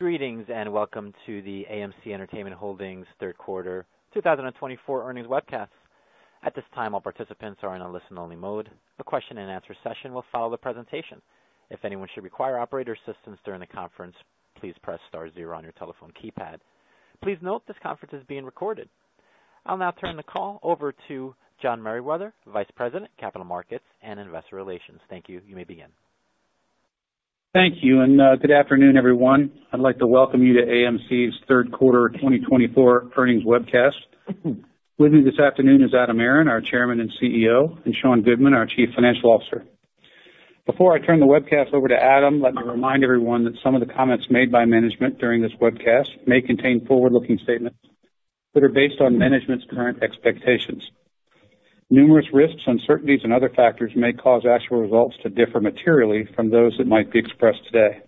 Greetings and welcome to the AMC Entertainment Holdings third quarter 2024 earnings webcast. At this time, all participants are in a listen-only mode. The question-and-answer session will follow the presentation. If anyone should require operator assistance during the conference, please press star zero on your telephone keypad. Please note this conference is being recorded. I'll now turn the call over to John Merriwether, Vice President, Capital Markets and Investor Relations. Thank you. You may begin. Thank you, and good afternoon, everyone. I'd like to welcome you to AMC's third quarter 2024 earnings webcast. With me this afternoon is Adam Aron, our Chairman and CEO, and Sean Goodman, our Chief Financial Officer. Before I turn the webcast over to Adam, let me remind everyone that some of the comments made by management during this webcast may contain forward-looking statements that are based on management's current expectations. Numerous risks, uncertainties, and other factors may cause actual results to differ materially from those that might be expressed today.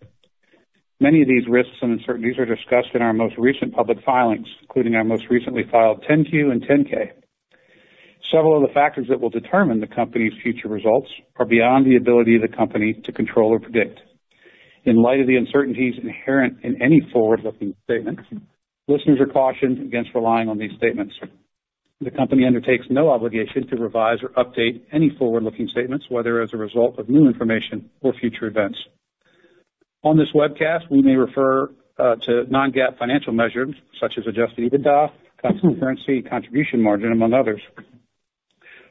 Many of these risks and uncertainties are discussed in our most recent public filings, including our most recently filed Form 10-Q and Form 10-K. Several of the factors that will determine the company's future results are beyond the ability of the company to control or predict. In light of the uncertainties inherent in any forward-looking statement, listeners are cautioned against relying on these statements. The company undertakes no obligation to revise or update any forward-looking statements, whether as a result of new information or future events. On this webcast, we may refer to non-GAAP financial measures such as adjusted EBITDA, tax and currency, contribution margin, among others.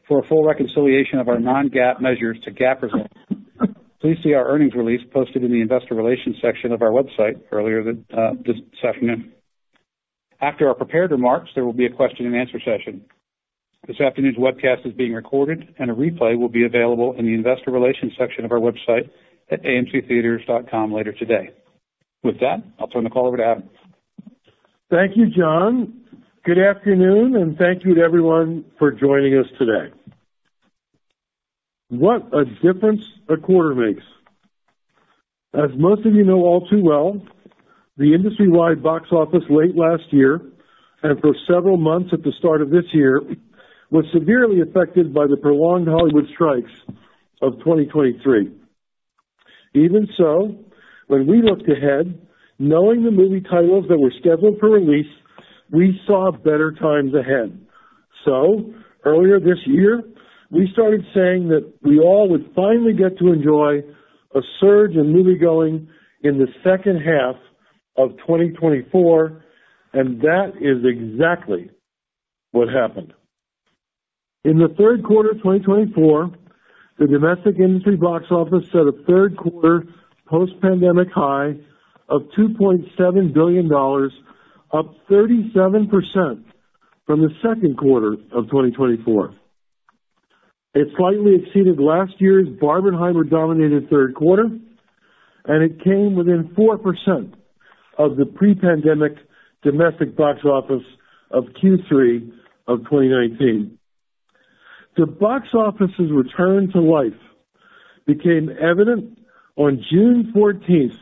For a full reconciliation of our non-GAAP measures to GAAP results, please see our earnings release posted in the Investor Relations section of our website earlier this afternoon. After our prepared remarks, there will be a question-and-answer session. This afternoon's webcast is being recorded, and a replay will be available in the Investor Relations section of our website at amctheatres.com later today. With that, I'll turn the call over to Adam. Thank you, John. Good afternoon, and thank you to everyone for joining us today. What a difference a quarter makes. As most of you know all too well, the industry-wide box office late last year and for several months at the start of this year was severely affected by the prolonged Hollywood strikes of 2023. Even so, when we looked ahead, knowing the movie titles that were scheduled for release, we saw better times ahead. So, earlier this year, we started saying that we all would finally get to enjoy a surge in moviegoing in the second half of 2024, and that is exactly what happened. In the third quarter of 2024, the domestic industry box office set a third-quarter post-pandemic high of $2.7 billion, up 37% from the second quarter of 2024. It slightly exceeded last year's Barbenheimer-dominated third quarter, and it came within 4% of the pre-pandemic domestic box office of Q3 of 2019. The box office's return to life became evident on June 14th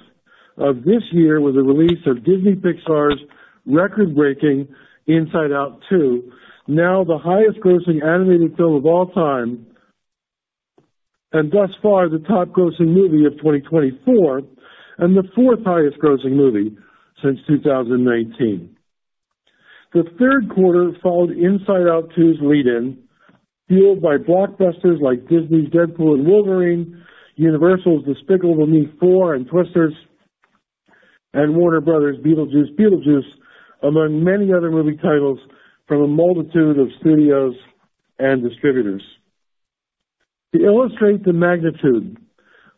of this year with the release of Disney Pixar's record-breaking Inside Out 2, now the highest-grossing animated film of all time and thus far the top-grossing movie of 2024 and the fourth-highest-grossing movie since 2019. The third quarter followed Inside Out 2's lead-in, fueled by blockbusters like Disney's Deadpool and Wolverine, Universal's Despicable Me 4, and Warner Bros.'s Beetlejuice Beetlejuice, among many other movie titles from a multitude of studios and distributors. To illustrate the magnitude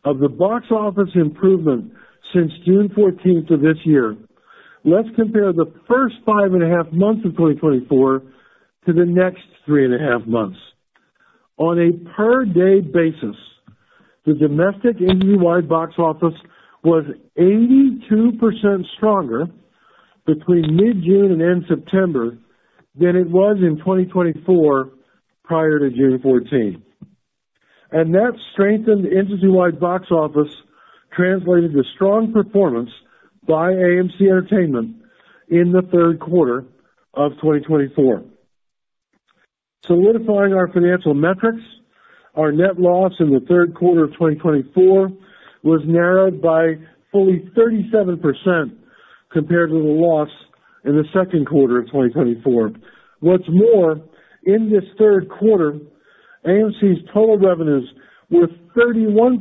of the box office improvement since June 14th of this year, let's compare the first five and a half months of 2024 to the next three and a half months. On a per-day basis, the domestic industry-wide box office was 82% stronger between mid-June and end September than it was in 2024 prior to June 14th, and that strengthened industry-wide box office translated to strong performance by AMC Entertainment in the third quarter of 2024. Solidifying our financial metrics, our net loss in the third quarter of 2024 was narrowed by fully 37% compared to the loss in the second quarter of 2024. What's more, in this third quarter, AMC's total revenues were 31%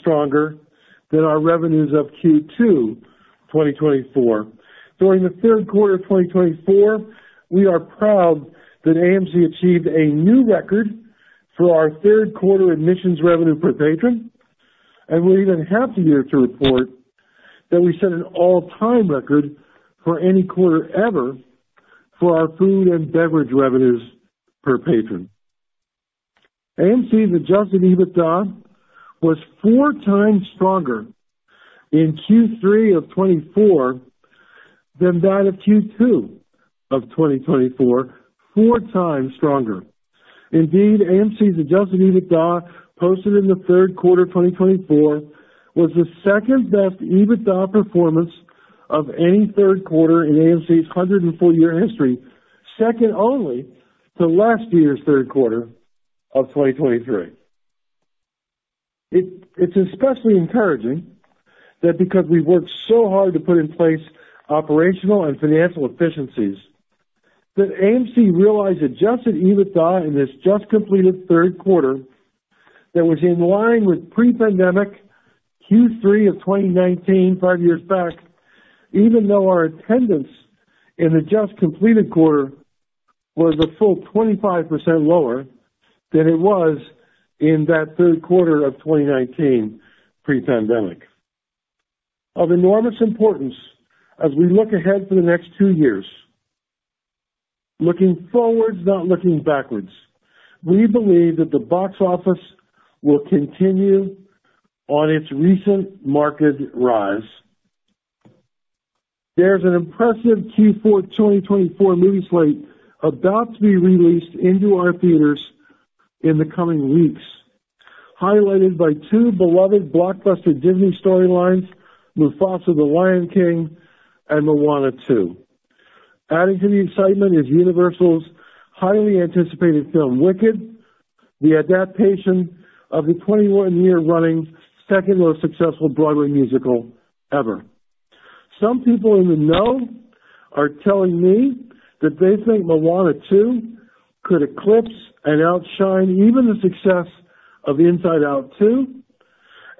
stronger than our revenues of Q2 2024. During the third quarter of 2024, we are proud that AMC achieved a new record for our third-quarter admissions revenue per patron, and we're even happy to report that we set an all-time record for any quarter ever for our food and beverage revenues per patron. AMC's adjusted EBITDA was 4x stronger in Q3 of 2024 than that of Q2 of 2024, 4x stronger. Indeed, AMC's adjusted EBITDA posted in the third quarter of 2024 was the second-best EBITDA performance of any third quarter in AMC's 104-year history, second only to last year's third quarter of 2023. It's especially encouraging that because we've worked so hard to put in place operational and financial efficiencies, that AMC realized adjusted EBITDA in this just-completed third quarter that was in line with pre-pandemic Q3 of 2019, five years back, even though our attendance in the just-completed quarter was a full 25% lower than it was in that third quarter of 2019 pre-pandemic. Of enormous importance as we look ahead for the next two years, looking forwards, not looking backwards, we believe that the box office will continue on its recent market rise. There's an impressive Q4 2024 movie slate about to be released into our theaters in the coming weeks, highlighted by two beloved blockbuster Disney storylines, Mufasa: The Lion King and Moana 2. Adding to the excitement is Universal's highly anticipated film Wicked, the adaptation of the 21-year-running second-most successful Broadway musical ever. Some people in the know are telling me that they think Moana 2 could eclipse and outshine even the success of Inside Out 2,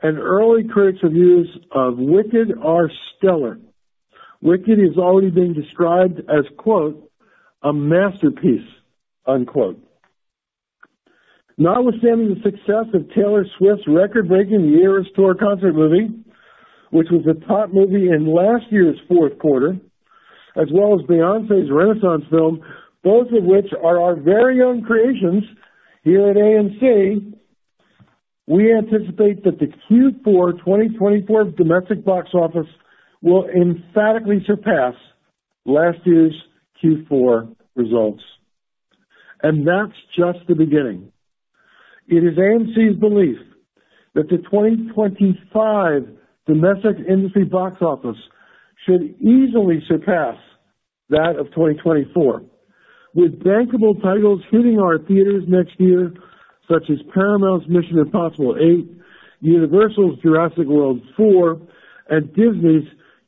and early critics' reviews of Wicked are stellar. Wicked is already being described as, quote, "a masterpiece," unquote. Notwithstanding the success of Taylor Swift's record-breaking Eras Tour concert movie, which was a top movie in last year's fourth quarter, as well as Beyoncé's Renaissance film, both of which are our very own creations here at AMC, we anticipate that the Q4 2024 domestic box office will emphatically surpass last year's Q4 results. That's just the beginning. It is AMC's belief that the 2025 domestic industry box office should easily surpass that of 2024, with bankable titles hitting our theaters next year, such as Paramount's Mission: Impossible 8, Universal's Jurassic World 4, and Disney's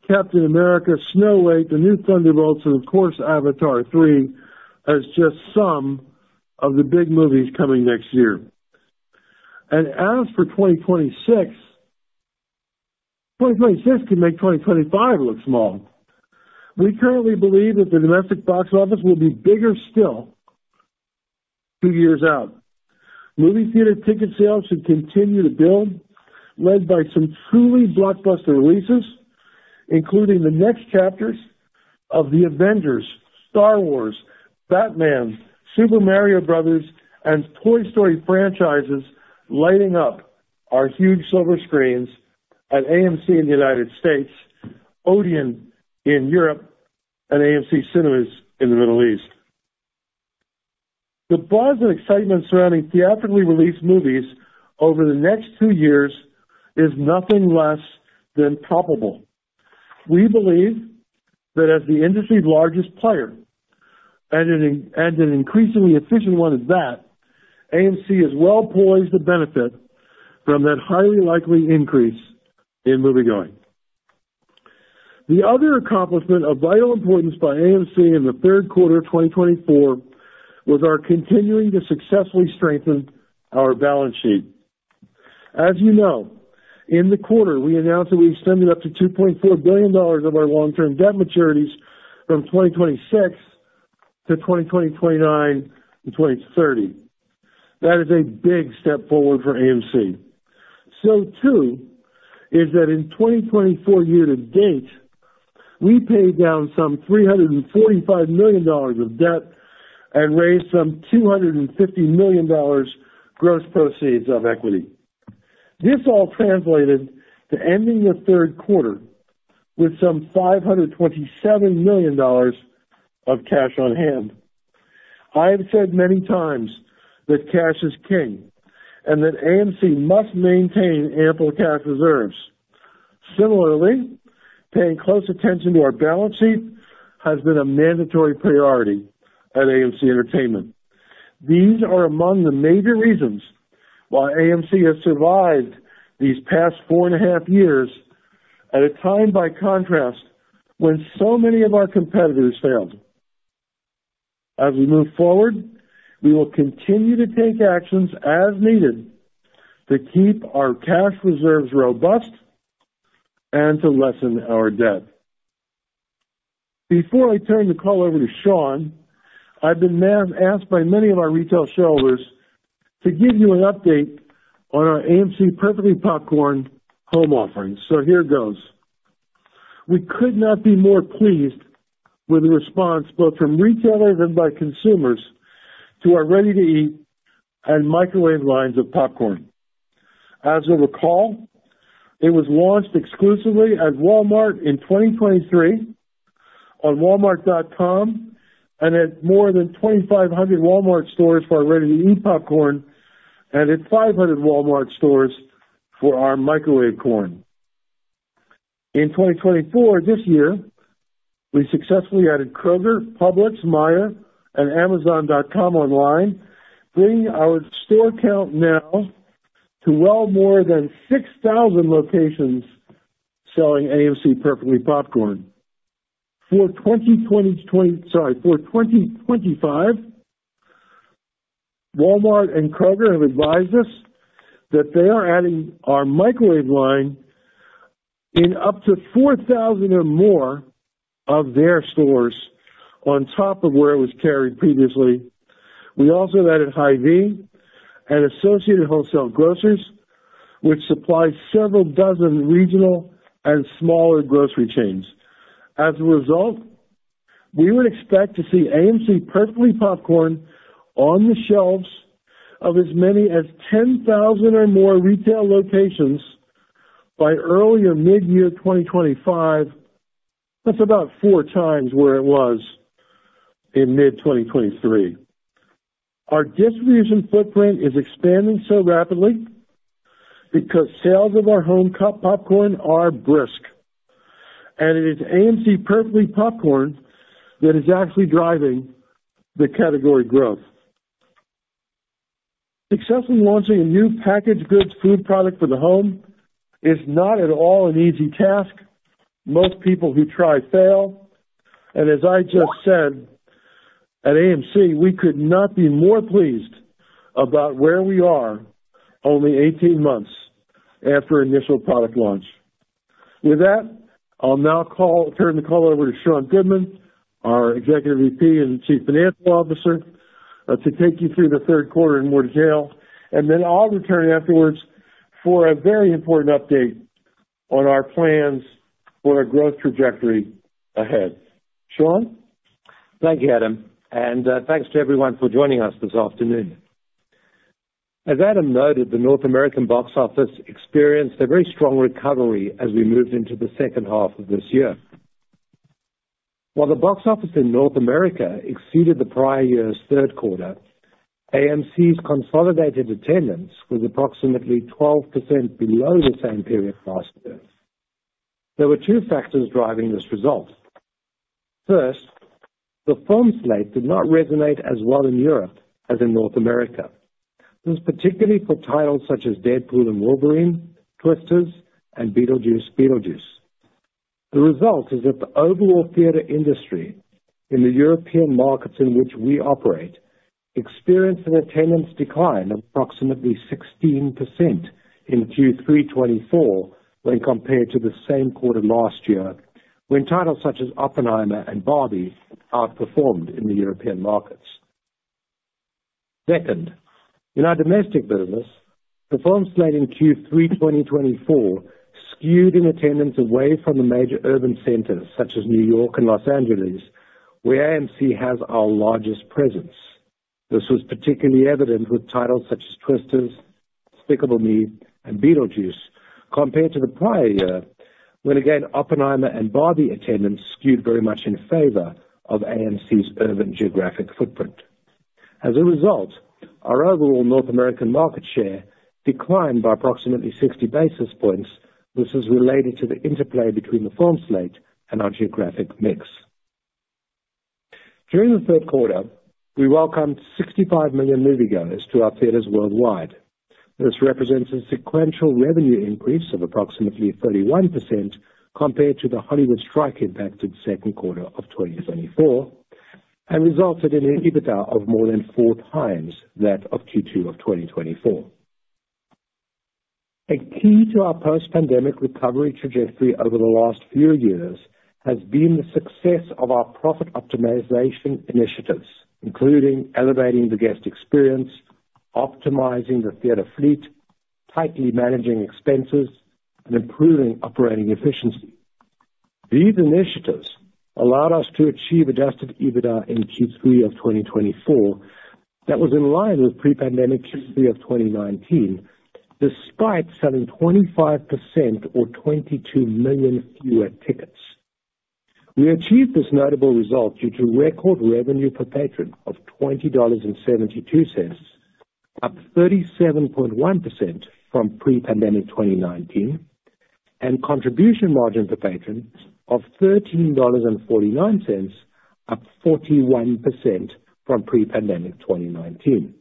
Captain America, Snow White, The New Thunderbolts, and of course, Avatar 3 as just some of the big movies coming next year. As for 2026, 2026 can make 2025 look small. We currently believe that the domestic box office will be bigger still two years out. Movie theater ticket sales should continue to build, led by some truly blockbuster releases, including the next chapters of The Avengers, Star Wars, Batman, Super Mario Bros., and Toy Story franchises lighting up our huge silver screens at AMC in the United States, Odeon in Europe, and AMC Cinemas in the Middle East. The buzz and excitement surrounding theatrically released movies over the next two years is nothing less than palpable. We believe that as the industry's largest player and an increasingly efficient one at that, AMC is well poised to benefit from that highly likely increase in moviegoing. The other accomplishment of vital importance by AMC in the third quarter of 2024 was our continuing to successfully strengthen our balance sheet. As you know, in the quarter, we announced that we extended up to $2.4 billion of our long-term debt maturities from 2026 to 2029 to 2030. That is a big step forward for AMC. So too is that in the 2024 year to date, we paid down some $345 million of debt and raised some $250 million gross proceeds of equity. This all translated to ending the third quarter with some $527 million of cash on hand. I have said many times that cash is king and that AMC must maintain ample cash reserves. Similarly, paying close attention to our balance sheet has been a mandatory priority at AMC Entertainment. These are among the major reasons why AMC has survived these past four and a half years at a time, by contrast, when so many of our competitors failed. As we move forward, we will continue to take actions as needed to keep our cash reserves robust and to lessen our debt. Before I turn the call over to Sean, I've been asked by many of our retail shareholders to give you an update on our AMC Perfectly Popcorn home offerings. So here goes. We could not be more pleased with the response both from retailers and by consumers to our ready-to-eat and microwave lines of popcorn. As you'll recall, it was launched exclusively at Walmart in 2023 on walmart.com and at more than 2,500 Walmart stores for our ready-to-eat popcorn and at 500 Walmart stores for our microwave corn. In 2024, this year, we successfully added Kroger, Publix, Meijer, and amazon.com online, bringing our store count now to well more than 6,000 locations selling AMC Perfectly Popcorn. For 2025, Walmart and Kroger have advised us that they are adding our microwave line in up to 4,000 or more of their stores on top of where it was carried previously. We also added Hy-Vee and Associated Wholesale Grocers, which supply several dozen regional and smaller grocery chains. As a result, we would expect to see AMC Perfectly Popcorn on the shelves of as many as 10,000 or more retail locations by early or mid-year 2025. That's about 4x where it was in mid-2023. Our distribution footprint is expanding so rapidly because sales of our home popcorn are brisk, and it is AMC Perfectly Popcorn that is actually driving the category growth. Successfully launching a new packaged goods food product for the home is not at all an easy task. Most people who try fail, and as I just said, at AMC, we could not be more pleased about where we are only 18 months after initial product launch. With that, I'll now turn the call over to Sean Goodman, our Executive VP and Chief Financial Officer, to take you through the third quarter in more detail. And then I'll return afterwards for a very important update on our plans for our growth trajectory ahead. Sean? Thank you, Adam. And thanks to everyone for joining us this afternoon. As Adam noted, the North American box office experienced a very strong recovery as we moved into the second half of this year. While the box office in North America exceeded the prior year's third quarter, AMC's consolidated attendance was approximately 12% below the same period last year. There were two factors driving this result. First, the film slate did not resonate as well in Europe as in North America. This is particularly for titles such as Deadpool & Wolverine, Twisters, and Beetlejuice Beetlejuice. The result is that the overall theater industry in the European markets in which we operate experienced an attendance decline of approximately 16% in Q3 2024 when compared to the same quarter last year, when titles such as Oppenheimer and Barbie outperformed in the European markets. Second, in our domestic business, the film slate in Q3 2024 skewed in attendance away from the major urban centers such as New York and Los Angeles, where AMC has our largest presence. This was particularly evident with titles such as Twisters, Despicable Me, and Beetlejuice compared to the prior year, when again Oppenheimer and Barbie attendance skewed very much in favor of AMC's urban geographic footprint. As a result, our overall North American market share declined by approximately 60 basis points. This is related to the interplay between the film slate and our geographic mix. During the third quarter, we welcomed 65 million moviegoers to our theaters worldwide. This represents a sequential revenue increase of approximately 31% compared to the Hollywood strike impacted second quarter of 2024 and resulted in an EBITDA of more than 4x that of Q2 of 2024. A key to our post-pandemic recovery trajectory over the last few years has been the success of our profit optimization initiatives, including elevating the guest experience, optimizing the theater fleet, tightly managing expenses, and improving operating efficiency. These initiatives allowed us to achieve adjusted EBITDA in Q3 of 2024 that was in line with pre-pandemic Q3 of 2019, despite selling 25% or 22 million fewer tickets. We achieved this notable result due to record revenue per patron of $20.72, up 37.1% from pre-pandemic 2019, and contribution margin per patron of $13.49, up 41% from pre-pandemic 2019.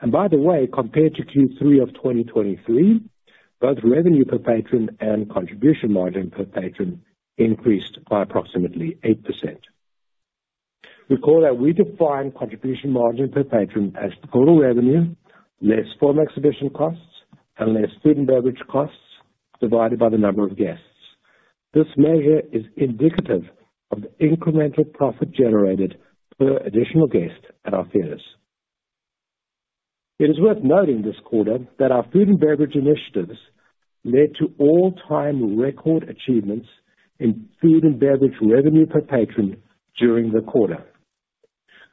And by the way, compared to Q3 of 2023, both revenue per patron and contribution margin per patron increased by approximately 8%. Recall that we define contribution margin per patron as total revenue less film exhibition costs and less food and beverage costs divided by the number of guests. This measure is indicative of the incremental profit generated per additional guest at our theaters. It is worth noting this quarter that our food and beverage initiatives led to all-time record achievements in food and beverage revenue per patron during the quarter.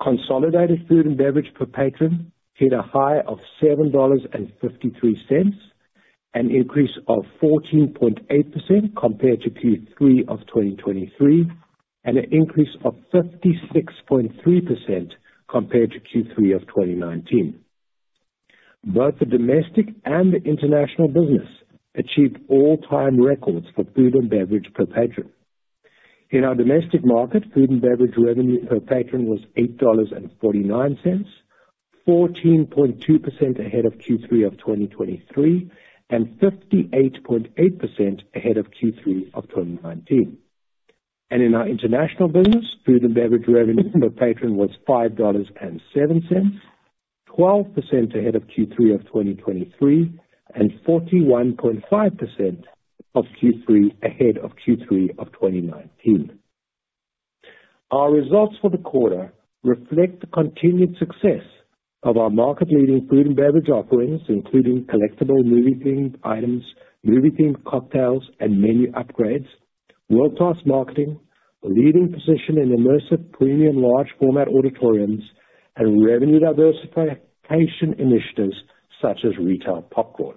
Consolidated food and beverage per patron hit a high of $7.53, an increase of 14.8% compared to Q3 of 2023, and an increase of 56.3% compared to Q3 of 2019. Both the domestic and the international business achieved all-time records for food and beverage per patron. In our domestic market, food and beverage revenue per patron was $8.49, 14.2% ahead of Q3 of 2023, and 58.8% ahead of Q3 of 2019. In our international business, food and beverage revenue per patron was $5.07, 12% ahead of Q3 of 2023, and 41.5% ahead of Q3 of 2019. Our results for the quarter reflect the continued success of our market-leading food and beverage offerings, including collectible movie-themed items, movie-themed cocktails, and menu upgrades, world-class marketing, a leading position in immersive premium large-format auditoriums, and revenue diversification initiatives such as retail popcorn.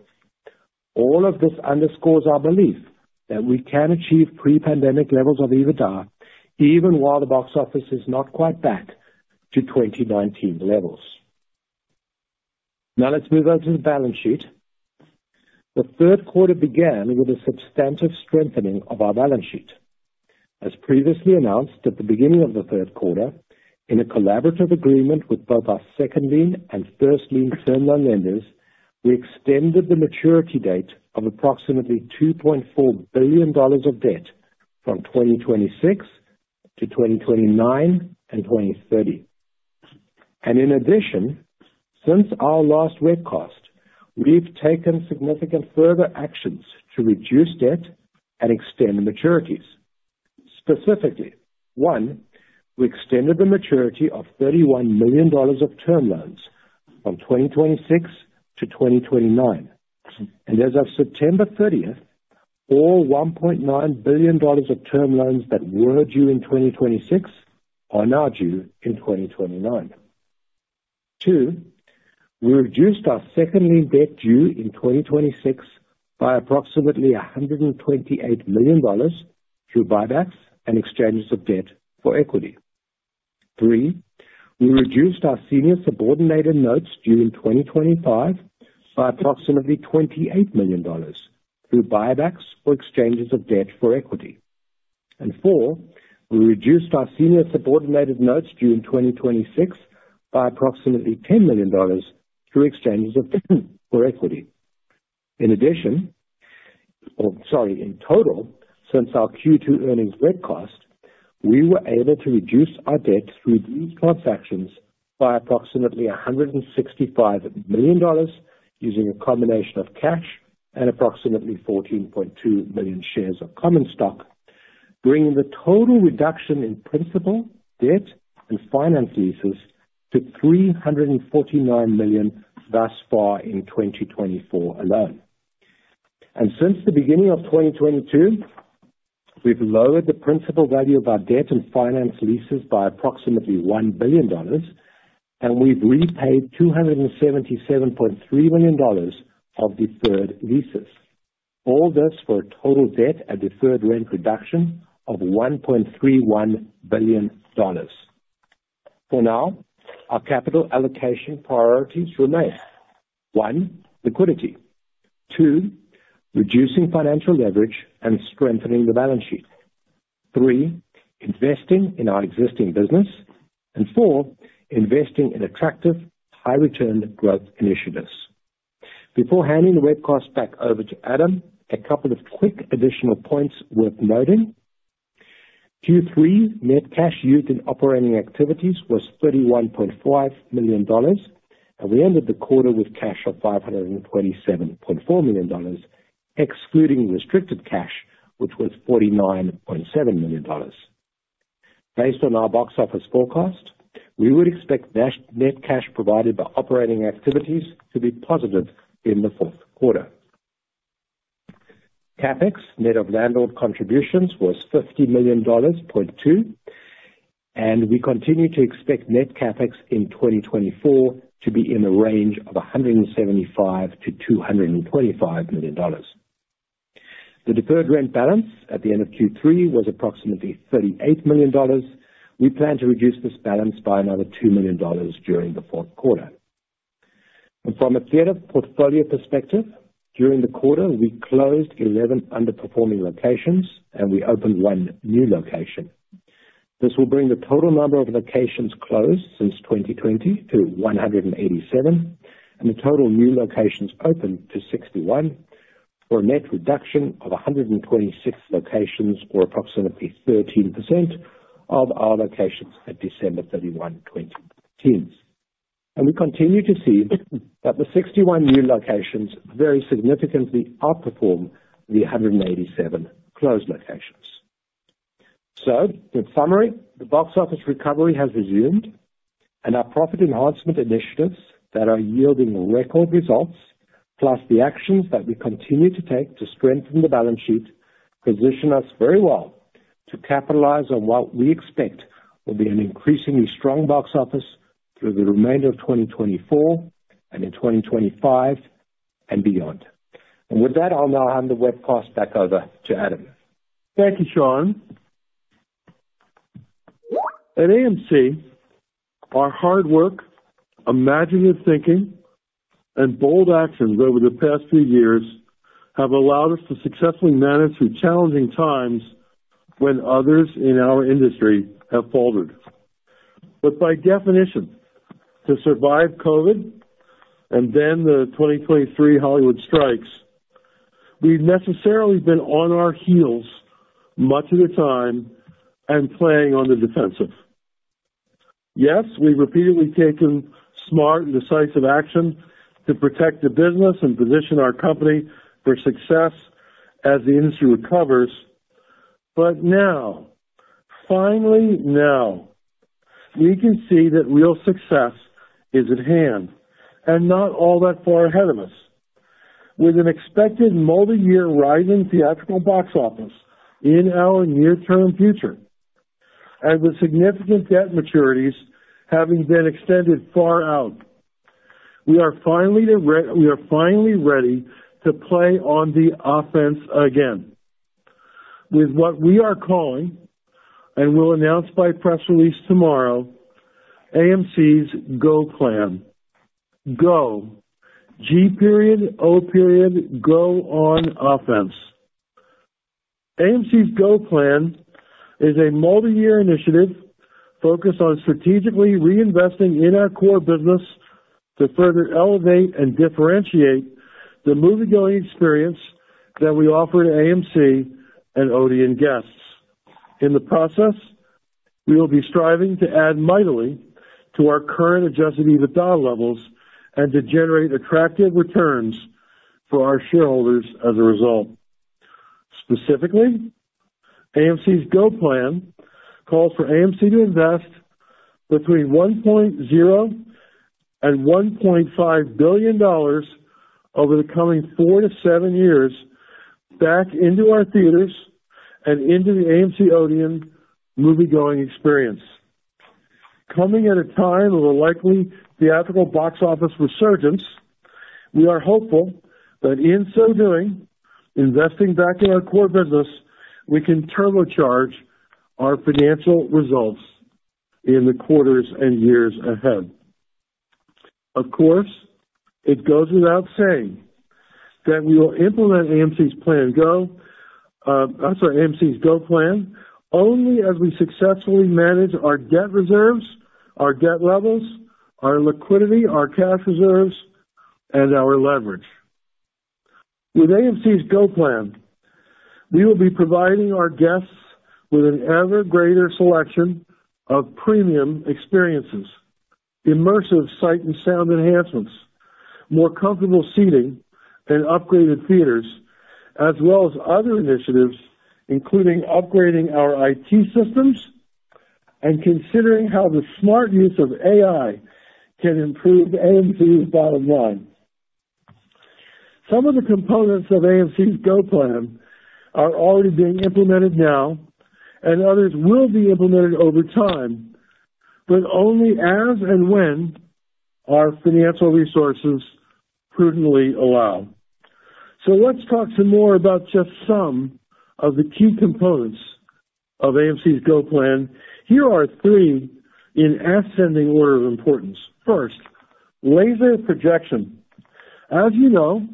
All of this underscores our belief that we can achieve pre-pandemic levels of EBITDA, even while the box office is not quite back to 2019 levels. Now let's move over to the balance sheet. The third quarter began with a substantive strengthening of our balance sheet. As previously announced at the beginning of the third quarter, in a collaborative agreement with both our second-lien and first-lien term loan lenders, we extended the maturity date of approximately $2.4 billion of debt from 2026 to 2029 and 2030, and in addition, since our last earnings call, we've taken significant further actions to reduce debt and extend the maturities. Specifically, one, we extended the maturity of $31 million of term loans from 2026 to 2029, and as of September 30th, all $1.9 billion of term loans that were due in 2026 are now due in 2029. Two, we reduced our second lien debt due in 2026 by approximately $128 million through buybacks and exchanges of debt for equity. Three, we reduced our senior subordinated notes due in 2025 by approximately $28 million through buybacks or exchanges of debt for equity, and four, we reduced our senior subordinated notes due in 2026 by approximately $10 million through exchanges of debt for equity. In addition, or sorry, in total, since our Q2 earnings release, we were able to reduce our debt through these transactions by approximately $165 million using a combination of cash and approximately 14.2 million shares of common stock, bringing the total reduction in principal, debt, and finance leases to $349 million thus far in 2024 alone. Since the beginning of 2022, we've lowered the principal value of our debt and finance leases by approximately $1 billion, and we've repaid $277.3 million of deferred rent. All this for a total debt and deferred rent reduction of $1.31 billion. For now, our capital allocation priorities remain: one, liquidity; two, reducing financial leverage and strengthening the balance sheet; three, investing in our existing business; and four, investing in attractive high-return growth initiatives. Before handing the release back over to Adam, a couple of quick additional points worth noting. Q3 net cash used in operating activities was $31.5 million, and we ended the quarter with cash of $527.4 million, excluding restricted cash, which was $49.7 million. Based on our box office forecast, we would expect net cash provided by operating activities to be positive in the fourth quarter. CapEx net of landlord contributions was $50 million. And we continue to expect net CapEx in 2024 to be in the range of $175 million-$225 million. The deferred rent balance at the end of Q3 was approximately $38 million. We plan to reduce this balance by another $2 million during the fourth quarter. From a theater portfolio perspective, during the quarter, we closed 11 underperforming locations, and we opened one new location. This will bring the total number of locations closed since 2020 to 187, and the total new locations opened to 61, for a net reduction of 126 locations, or approximately 13% of our locations at December 31, 2010. And we continue to see that the 61 new locations very significantly outperform the 187 closed locations. So, in summary, the box office recovery has resumed, and our profit enhancement initiatives that are yielding record results, plus the actions that we continue to take to strengthen the balance sheet, position us very well to capitalize on what we expect will be an increasingly strong box office through the remainder of 2024 and in 2025 and beyond. And with that, I'll now hand the webcast back over to Adam. Thank you, Sean. At AMC, our hard work, imaginative thinking, and bold actions over the past few years have allowed us to successfully manage through challenging times when others in our industry have faltered. But by definition, to survive COVID and then the 2023 Hollywood strikes, we've necessarily been on our heels much of the time and playing on the defensive. Yes, we've repeatedly taken smart and decisive action to protect the business and position our company for success as the industry recovers. But now, finally now, we can see that real success is at hand and not all that far ahead of us, with an expected multi-year rising theatrical box office in our near-term future. And with significant debt maturities having been extended far out, we are finally ready to play on the offense again, with what we are calling, and will announce by press release tomorrow, AMC's Go Plan. Go, G period, O period, Go on offense. AMC's Go Plan is a multi-year initiative focused on strategically reinvesting in our core business to further elevate and differentiate the moviegoing experience that we offer to AMC and Odeon guests. In the process, we will be striving to add mightily to our current adjusted EBITDA levels and to generate attractive returns for our shareholders as a result. Specifically, AMC's Go Plan calls for AMC to invest between $1.0 billion and $1.5 billion over the coming four to seven years back into our theaters and into the AMC Odeon moviegoing experience. Coming at a time of a likely theatrical box office resurgence, we are hopeful that in so doing, investing back in our core business, we can turbocharge our financial results in the quarters and years ahead. Of course, it goes without saying that we will implement AMC's Go Plan, only as we successfully manage our debt reserves, our debt levels, our liquidity, our cash reserves, and our leverage. With AMC's Go Plan, we will be providing our guests with an ever greater selection of premium experiences, immersive sight and sound enhancements, more comfortable seating, and upgraded theaters, as well as other initiatives, including upgrading our IT systems and considering how the smart use of AI can improve AMC's bottom line. Some of the components of AMC's Go Plan are already being implemented now, and others will be implemented over time, but only as and when our financial resources prudently allow. So let's talk some more about just some of the key components of AMC's Go Plan. Here are three in ascending order of importance. First, laser projection. As you know,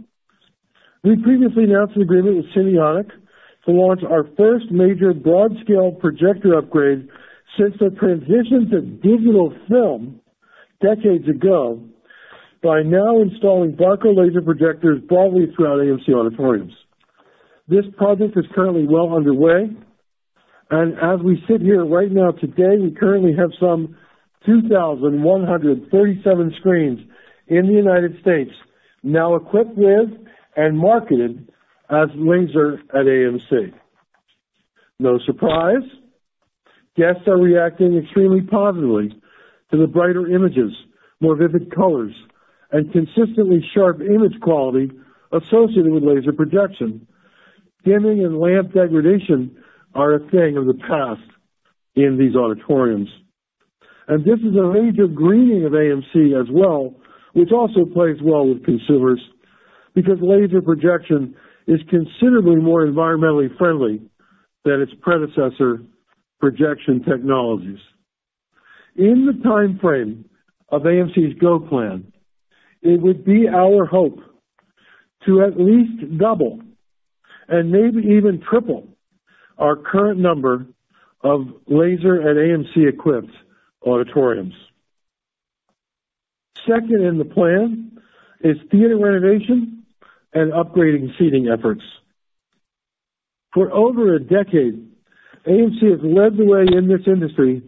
we previously announced an agreement with Cinionic to launch our first major broad-scale projector upgrade since the transition to digital film decades ago by now installing Barco laser projectors broadly throughout AMC auditoriums. This project is currently well underway. And as we sit here right now today, we currently have some 2,137 screens in the United States now equipped with and marketed as Laser at AMC. No surprise, guests are reacting extremely positively to the brighter images, more vivid colors, and consistently sharp image quality associated with laser projection. Dimming and lamp degradation are a thing of the past in these auditoriums. And this is a major greening of AMC as well, which also plays well with consumers because laser projection is considerably more environmentally friendly than its predecessor projection technologies. In the timeframe of AMC Go Plan, it would be our hope to at least double and maybe even triple our current number of Laser at AMC-equipped auditoriums. Second in the plan is theater renovation and upgrading seating efforts. For over a decade, AMC has led the way in this industry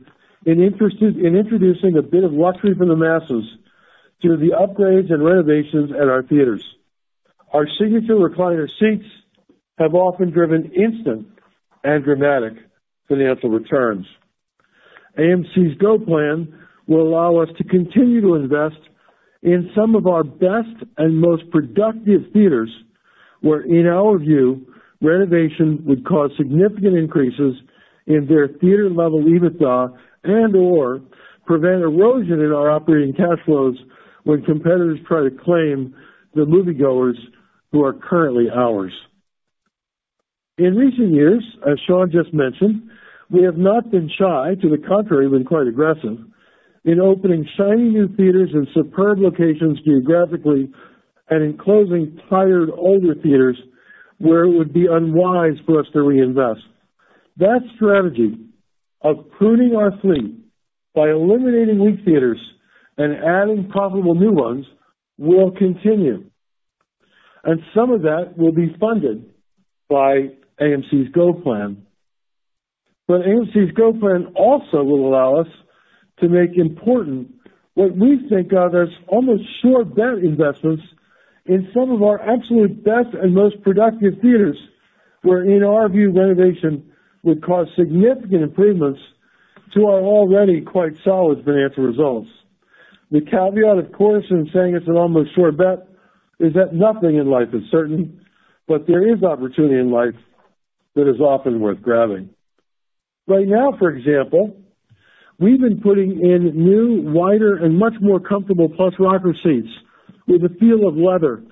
in introducing a bit of luxury for the masses through the upgrades and renovations at our theaters. Our signature recliner seats have often driven instant and dramatic financial returns. AMC Go Plan will allow us to continue to invest in some of our best and most productive theaters where, in our view, renovation would cause significant increases in their theater-level EBITDA and/or prevent erosion in our operating cash flows when competitors try to claim the moviegoers who are currently ours. In recent years, as Sean just mentioned, we have not been shy, to the contrary, been quite aggressive in opening shiny new theaters in superb locations geographically and in closing tired older theaters where it would be unwise for us to reinvest. That strategy of pruning our fleet by eliminating weak theaters and adding profitable new ones will continue, and some of that will be funded by AMC Go Plan. But AMC's Go Plan also will allow us to make important, what we think are, almost sure bet investments in some of our absolute best and most productive theaters where, in our view, renovation would cause significant improvements to our already quite solid financial results. The caveat, of course, in saying it's an almost sure bet is that nothing in life is certain, but there is opportunity in life that is often worth grabbing. Right now, for example, we've been putting in new, wider, and much more comfortable plush rocker seats with a feel of leather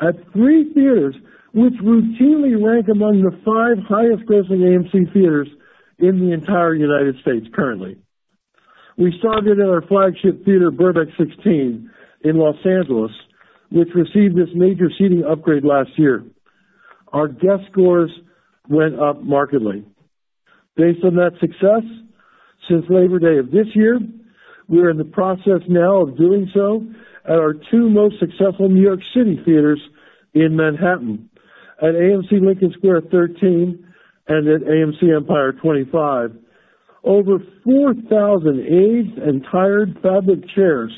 at three theaters which routinely rank among the five highest-grossing AMC theaters in the entire United States currently. We started at our flagship theater, Burbank 16, in Los Angeles, which received this major seating upgrade last year. Our guest scores went up markedly. Based on that success, since Labor Day of this year, we are in the process now of doing so at our two most successful New York City theaters in Manhattan, at AMC Lincoln Square 13 and at AMC Empire 25. Over 4,000 aged and tired fabric chairs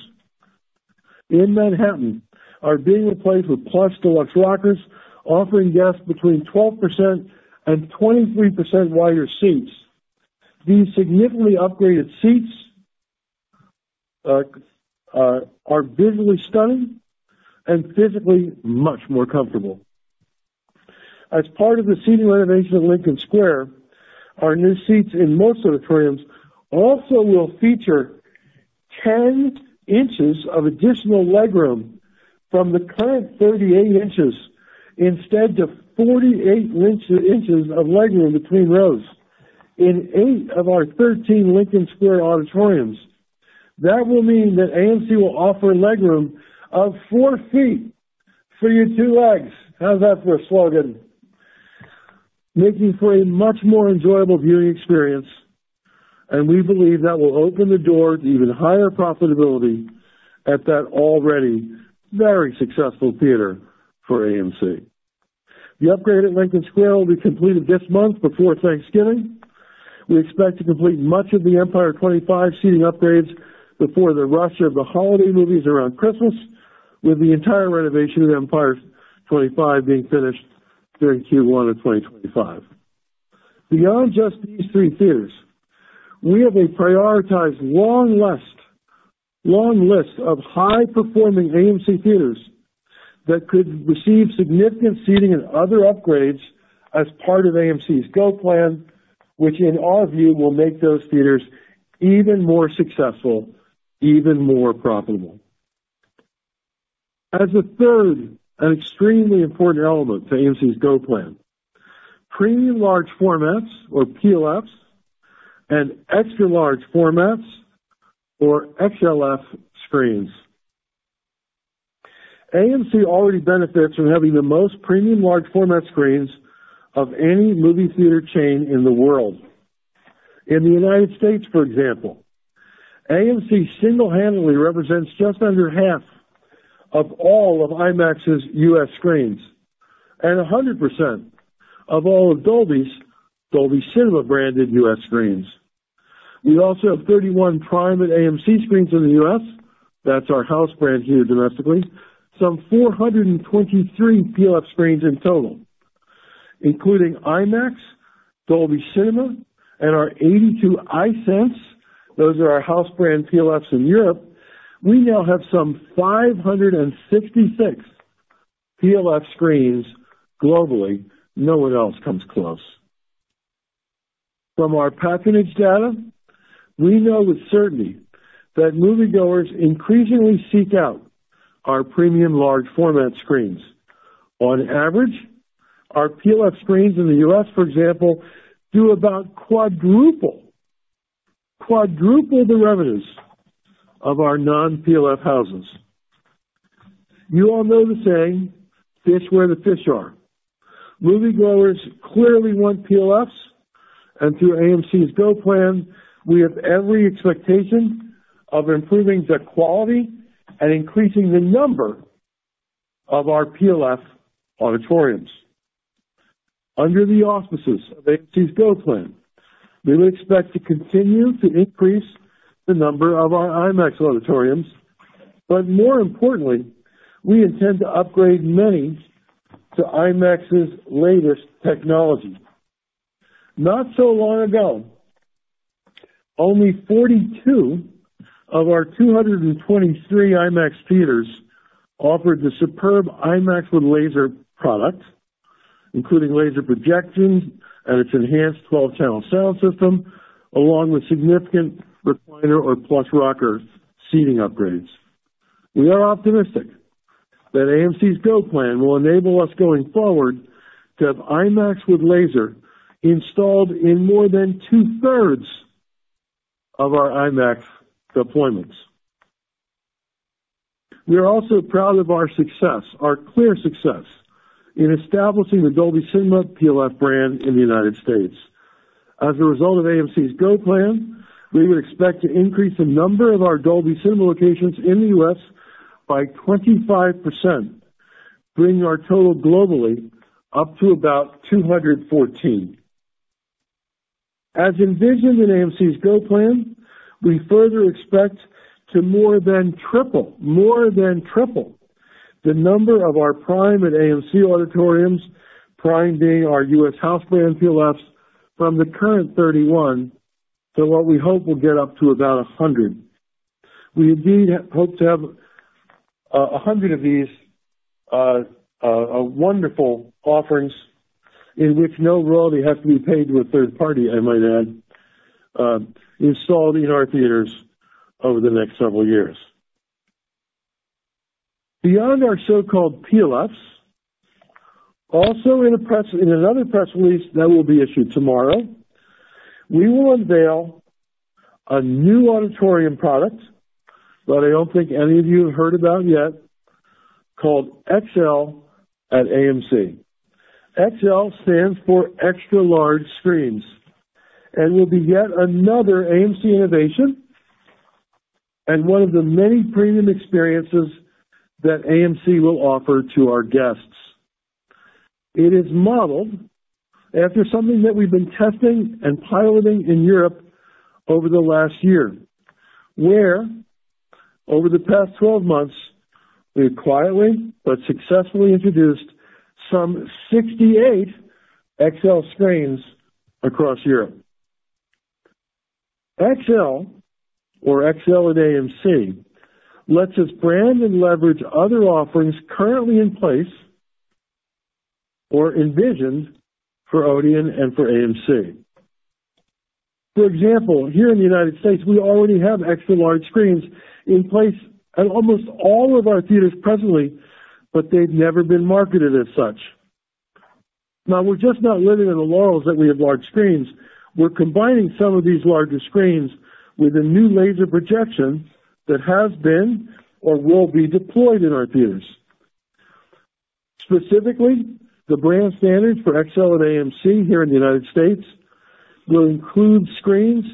in Manhattan are being replaced with plush deluxe rockers, offering guests between 12% and 23% wider seats. These significantly upgraded seats are visually stunning and physically much more comfortable. As part of the seating renovation at Lincoln Square, our new seats in most auditoriums also will feature 10 in of additional leg room from the current 38 in instead of 48 in of leg room between rows in eight of our 13 Lincoln Square auditoriums. That will mean that AMC will offer leg room of four feet for your two legs. How's that for a slogan? Making for a much more enjoyable viewing experience. And we believe that will open the door to even higher profitability at that already very successful theater for AMC. The upgrade at Lincoln Square will be completed this month before Thanksgiving. We expect to complete much of the Empire 25 seating upgrades before the rush of the holiday movies around Christmas, with the entire renovation of Empire 25 being finished during Q1 of 2025. Beyond just these three theaters, we have a prioritized long list of high-performing AMC theaters that could receive significant seating and other upgrades as part of AMC's Go Plan, which in our view will make those theaters even more successful, even more profitable. As a third and extremely important element to AMC's Go Plan, premium large formats or PLFs and extra large formats or XLF screens. AMC already benefits from having the most premium large format screens of any movie theater chain in the world. In the United States, for example, AMC single-handedly represents just under half of all of IMAX's U.S. screens and 100% of all of Dolby's Dolby Cinema branded U.S. screens. We also have 31 private AMC screens in the U.S. That's our house brand here domestically. Some 423 PLF screens in total, including IMAX, Dolby Cinema, and our 82 iSense. Those are our house brand PLFs in Europe. We now have some 566 PLF screens globally. No one else comes close. From our patronage data, we know with certainty that moviegoers increasingly seek out our premium large format screens. On average, our PLF screens in the U.S., for example, do about quadruple the revenues of our non-PLF houses. You all know the saying, "Fish where the fish are." Moviegoers clearly want PLFs. Through AMC's Go Plan, we have every expectation of improving the quality and increasing the number of our PLF auditoriums. Under the auspices of AMC's Go Plan, we would expect to continue to increase the number of our IMAX auditoriums. More importantly, we intend to upgrade many to IMAX's latest technology. Not so long ago, only 42 of our 223 IMAX theaters offered the superb IMAX with Laser product, including laser projections and its enhanced 12-channel sound system, along with significant recliner or plus rocker seating upgrades. We are optimistic that AMC's Go Plan will enable us going forward to have IMAX with Laser installed in more than 2/3 of our IMAX deployments. We are also proud of our success, our clear success in establishing the Dolby Cinema PLF brand in the United States. As a result of AMC's Go Plan, we would expect to increase the number of our Dolby Cinema locations in the U.S. by 25%, bringing our total globally up to about 214. As envisioned in AMC's Go Plan, we further expect to more than triple, more than triple the number of our Prime at AMC auditoriums, Prime being our U.S. house brand PLFs, from the current 31 to what we hope will get up to about 100. We indeed hope to have 100 of these wonderful offerings in which no royalty has to be paid to a third party, I might add, installed in our theaters over the next several years. Beyond our so-called PLFs, also in another press release that will be issued tomorrow, we will unveil a new auditorium product that I don't think any of you have heard about yet called XL at AMC. XL stands for extra large screens and will be yet another AMC innovation and one of the many premium experiences that AMC will offer to our guests. It is modeled after something that we've been testing and piloting in Europe over the last year, where over the past 12 months, we have quietly but successfully introduced some 68 XL screens across Europe. XL, or XL at AMC, lets us brand and leverage other offerings currently in place or envisioned for Odeon and for AMC. For example, here in the United States, we already have extra large screens in place at almost all of our theaters presently, but they've never been marketed as such. Now, we're just not living in the laurels that we have large screens. We're combining some of these larger screens with a new laser projection that has been or will be deployed in our theaters. Specifically, the brand standards for XL at AMC here in the United States will include screens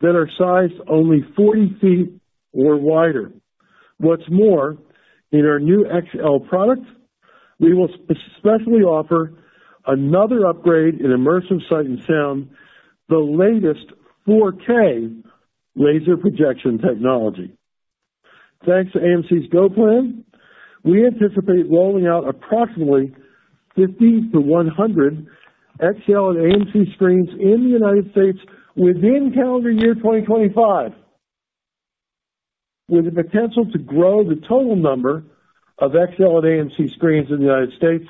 that are sized only 40 ft or wider. What's more, in our new XL product, we will especially offer another upgrade in immersive sight and sound, the latest 4K laser projection technology. Thanks to AMC's Go Plan, we anticipate rolling out approximately 50-100 XL at AMC screens in the United States within calendar year 2025, with the potential to grow the total number of XL at AMC screens in the United States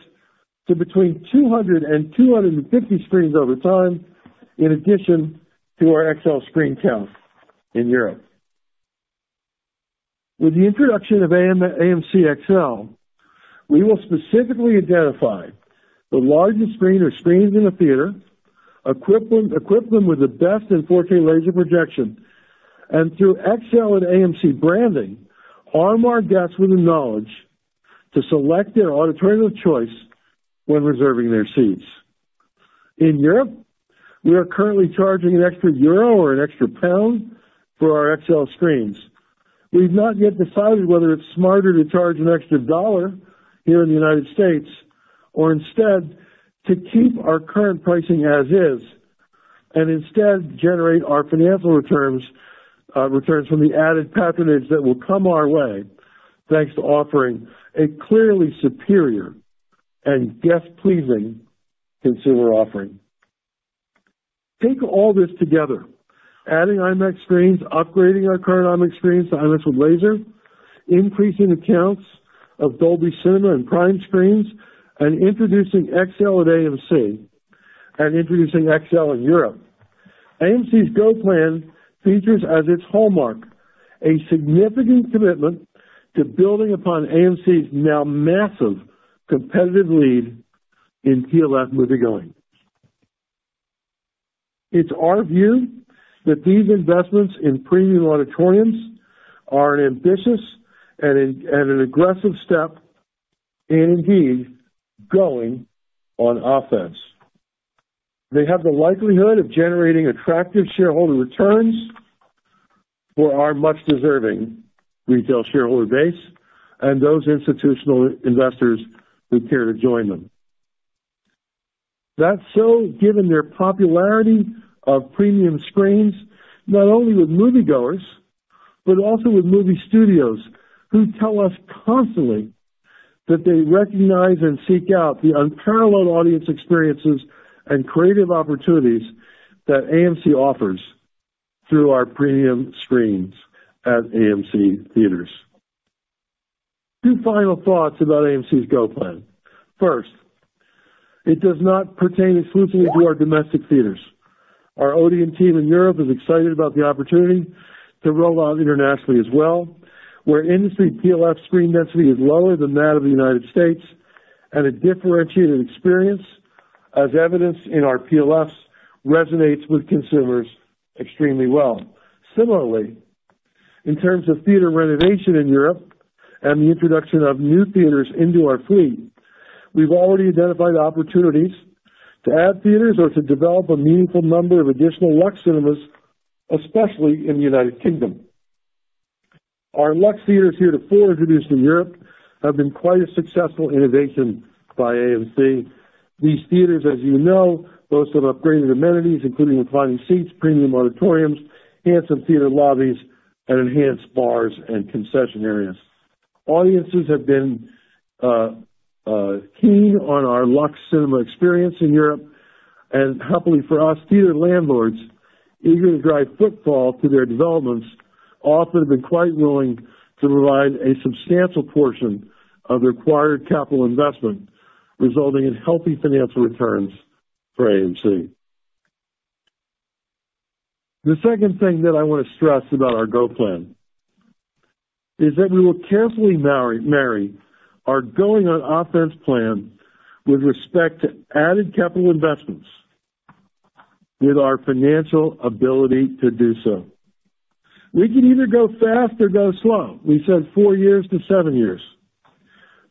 to between 200 screens and 250 screens over time, in addition to our XL screen count in Europe. With the introduction of AMC XL, we will specifically identify the largest screen or screens in a theater, equip them with the best in 4K laser projection, and through XL at AMC branding, arm our guests with the knowledge to select their auditorium of choice when reserving their seats. In Europe, we are currently charging an extra EUR 1 or an extra GBP 1 for our XL screens. We've not yet decided whether it's smarter to charge an extra $1 here in the United States or instead to keep our current pricing as is and instead generate our financial returns from the added patronage that will come our way, thanks to offering a clearly superior and guest-pleasing consumer offering. Take all this together: adding IMAX screens, upgrading our current IMAX screens to IMAX with Laser, increasing accounts of Dolby Cinema and Prime screens, and introducing XL at AMC, and introducing XL in Europe. AMC's Go Plan features as its hallmark a significant commitment to building upon AMC's now massive competitive lead in PLF moviegoing. It's our view that these investments in premium auditoriums are an ambitious and an aggressive step in indeed going on offense. They have the likelihood of generating attractive shareholder returns for our much-deserving retail shareholder base and those institutional investors who care to join them. That's so given their popularity of premium screens, not only with moviegoers, but also with movie studios who tell us constantly that they recognize and seek out the unparalleled audience experiences and creative opportunities that AMC offers through our premium screens at AMC theaters. Two final thoughts about AMC's Go Plan. First, it does not pertain exclusively to our domestic theaters. Our Odeon team in Europe is excited about the opportunity to roll out internationally as well, where industry PLF screen density is lower than that of the United States, and a differentiated experience, as evidenced in our PLFs, resonates with consumers extremely well. Similarly, in terms of theater renovation in Europe and the introduction of new theaters into our fleet, we've already identified opportunities to add theaters or to develop a meaningful number of additional Luxe cinemas, especially in the United Kingdom. Our Luxe theaters, heretofore used in Europe, have been quite a successful innovation by AMC. These theaters, as you know, boast of upgraded amenities, including reclining seats, premium auditoriums, handsome theater lobbies, and enhanced bars and concession areas. Audiences have been keen on our Luxe cinema experience in Europe, and happily for us, theater landlords, eager to drive footfall to their developments, often have been quite willing to provide a substantial portion of the required capital investment, resulting in healthy financial returns for AMC. The second thing that I want to stress about our Go Plan is that we will carefully marry our going on offense plan with respect to added capital investments with our financial ability to do so. We can either go fast or go slow. We said four years to seven years,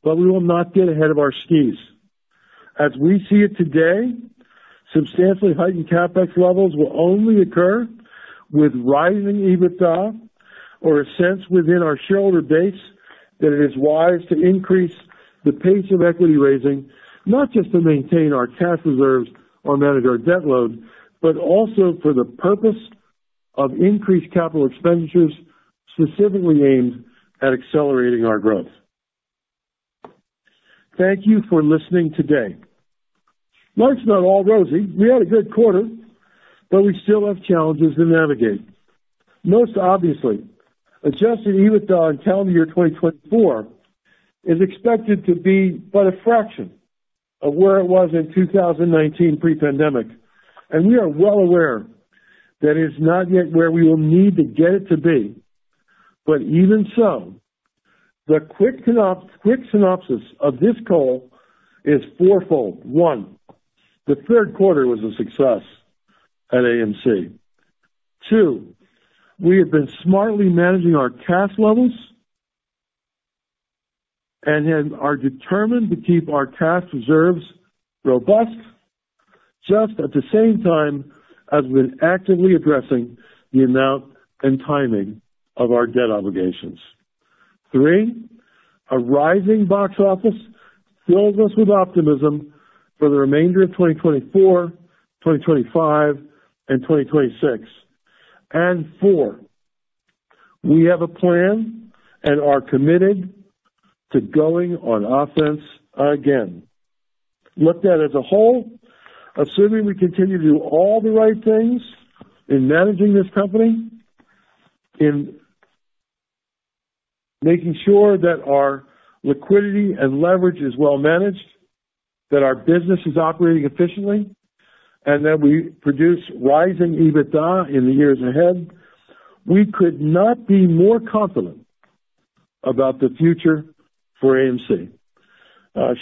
but we will not get ahead of our skis. As we see it today, substantially heightened CapEx levels will only occur with rising EBITDA or a sense within our shareholder base that it is wise to increase the pace of equity raising, not just to maintain our cash reserves or manage our debt load, but also for the purpose of increased capital expenditures specifically aimed at accelerating our growth. Thank you for listening today. Life's not all rosy. We had a good quarter, but we still have challenges to navigate. Most obviously, adjusted EBITDA in calendar year 2024 is expected to be but a fraction of where it was in 2019 pre-pandemic, and we are well aware that it is not yet where we will need to get it to be. But even so, the quick synopsis of this call is four-fold. One, the third quarter was a success at AMC. Two, we have been smartly managing our cash levels and are determined to keep our cash reserves robust just at the same time as we've been actively addressing the amount and timing of our debt obligations. Three, a rising box office fills us with optimism for the remainder of 2024, 2025, and 2026. And four, we have a plan and are committed to going on offense again. Looked at as a whole, assuming we continue to do all the right things in managing this company, in making sure that our liquidity and leverage is well managed, that our business is operating efficiently, and that we produce rising EBITDA in the years ahead, we could not be more confident about the future for AMC.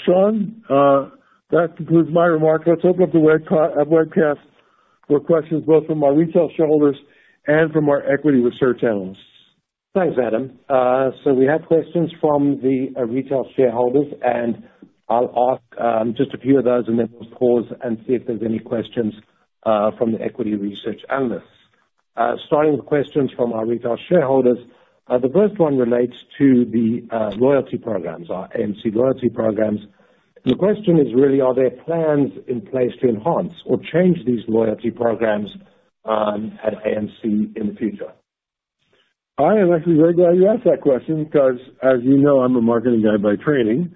Sean, that concludes my remarks. Let's open up the webcast for questions both from our retail shareholders and from our equity research analysts. Thanks, Adam. So we have questions from the retail shareholders, and I'll ask just a few of those, and then we'll pause and see if there's any questions from the equity research analysts. Starting with questions from our retail shareholders, the first one relates to the loyalty programs, our AMC loyalty programs. The question is really, are there plans in place to enhance or change these loyalty programs at AMC in the future? I am actually very glad you asked that question because, as you know, I'm a marketing guy by training,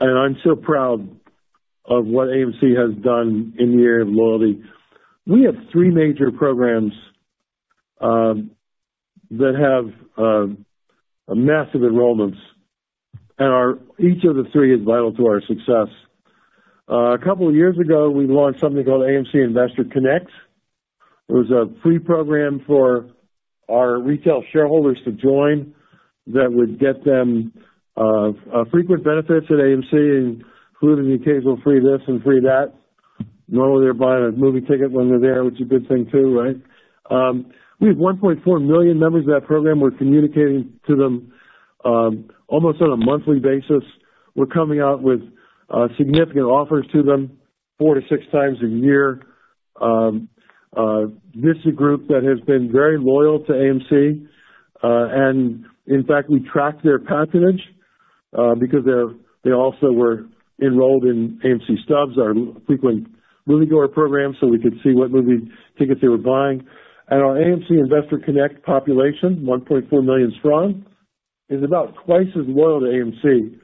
and I'm so proud of what AMC has done in the area of loyalty. We have three major programs that have massive enrollments, and each of the three is vital to our success. A couple of years ago, we launched something called AMC Investor Connect. It was a free program for our retail shareholders to join that would get them frequent benefits at AMC, including the occasional free this and free that. Normally, they're buying a movie ticket when they're there, which is a good thing too, right? We have 1.4 million members of that program. We're communicating to them almost on a monthly basis. We're coming out with significant offers to them 4x-6x a year. This is a group that has been very loyal to AMC, and in fact, we track their patronage because they also were enrolled in AMC Stubs, our frequent moviegoer program, so we could see what movie tickets they were buying, and our AMC Investor Connect population, 1.4 million strong, is about twice as loyal to AMC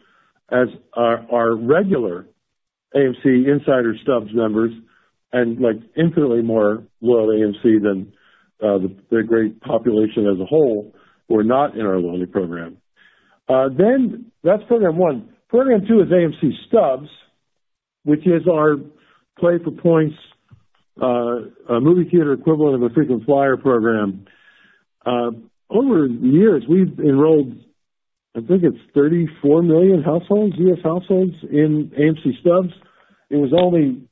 as our regular AMC Insider Stubs members and infinitely more loyal to AMC than the greater population as a whole who are not in our loyalty program. Then that's program one. Program two is AMC Stubs, which is our play for points, a movie theater equivalent of a frequent flyer program. Over the years, we've enrolled, I think it's 34 million U.S. households in AMC Stubs. It was only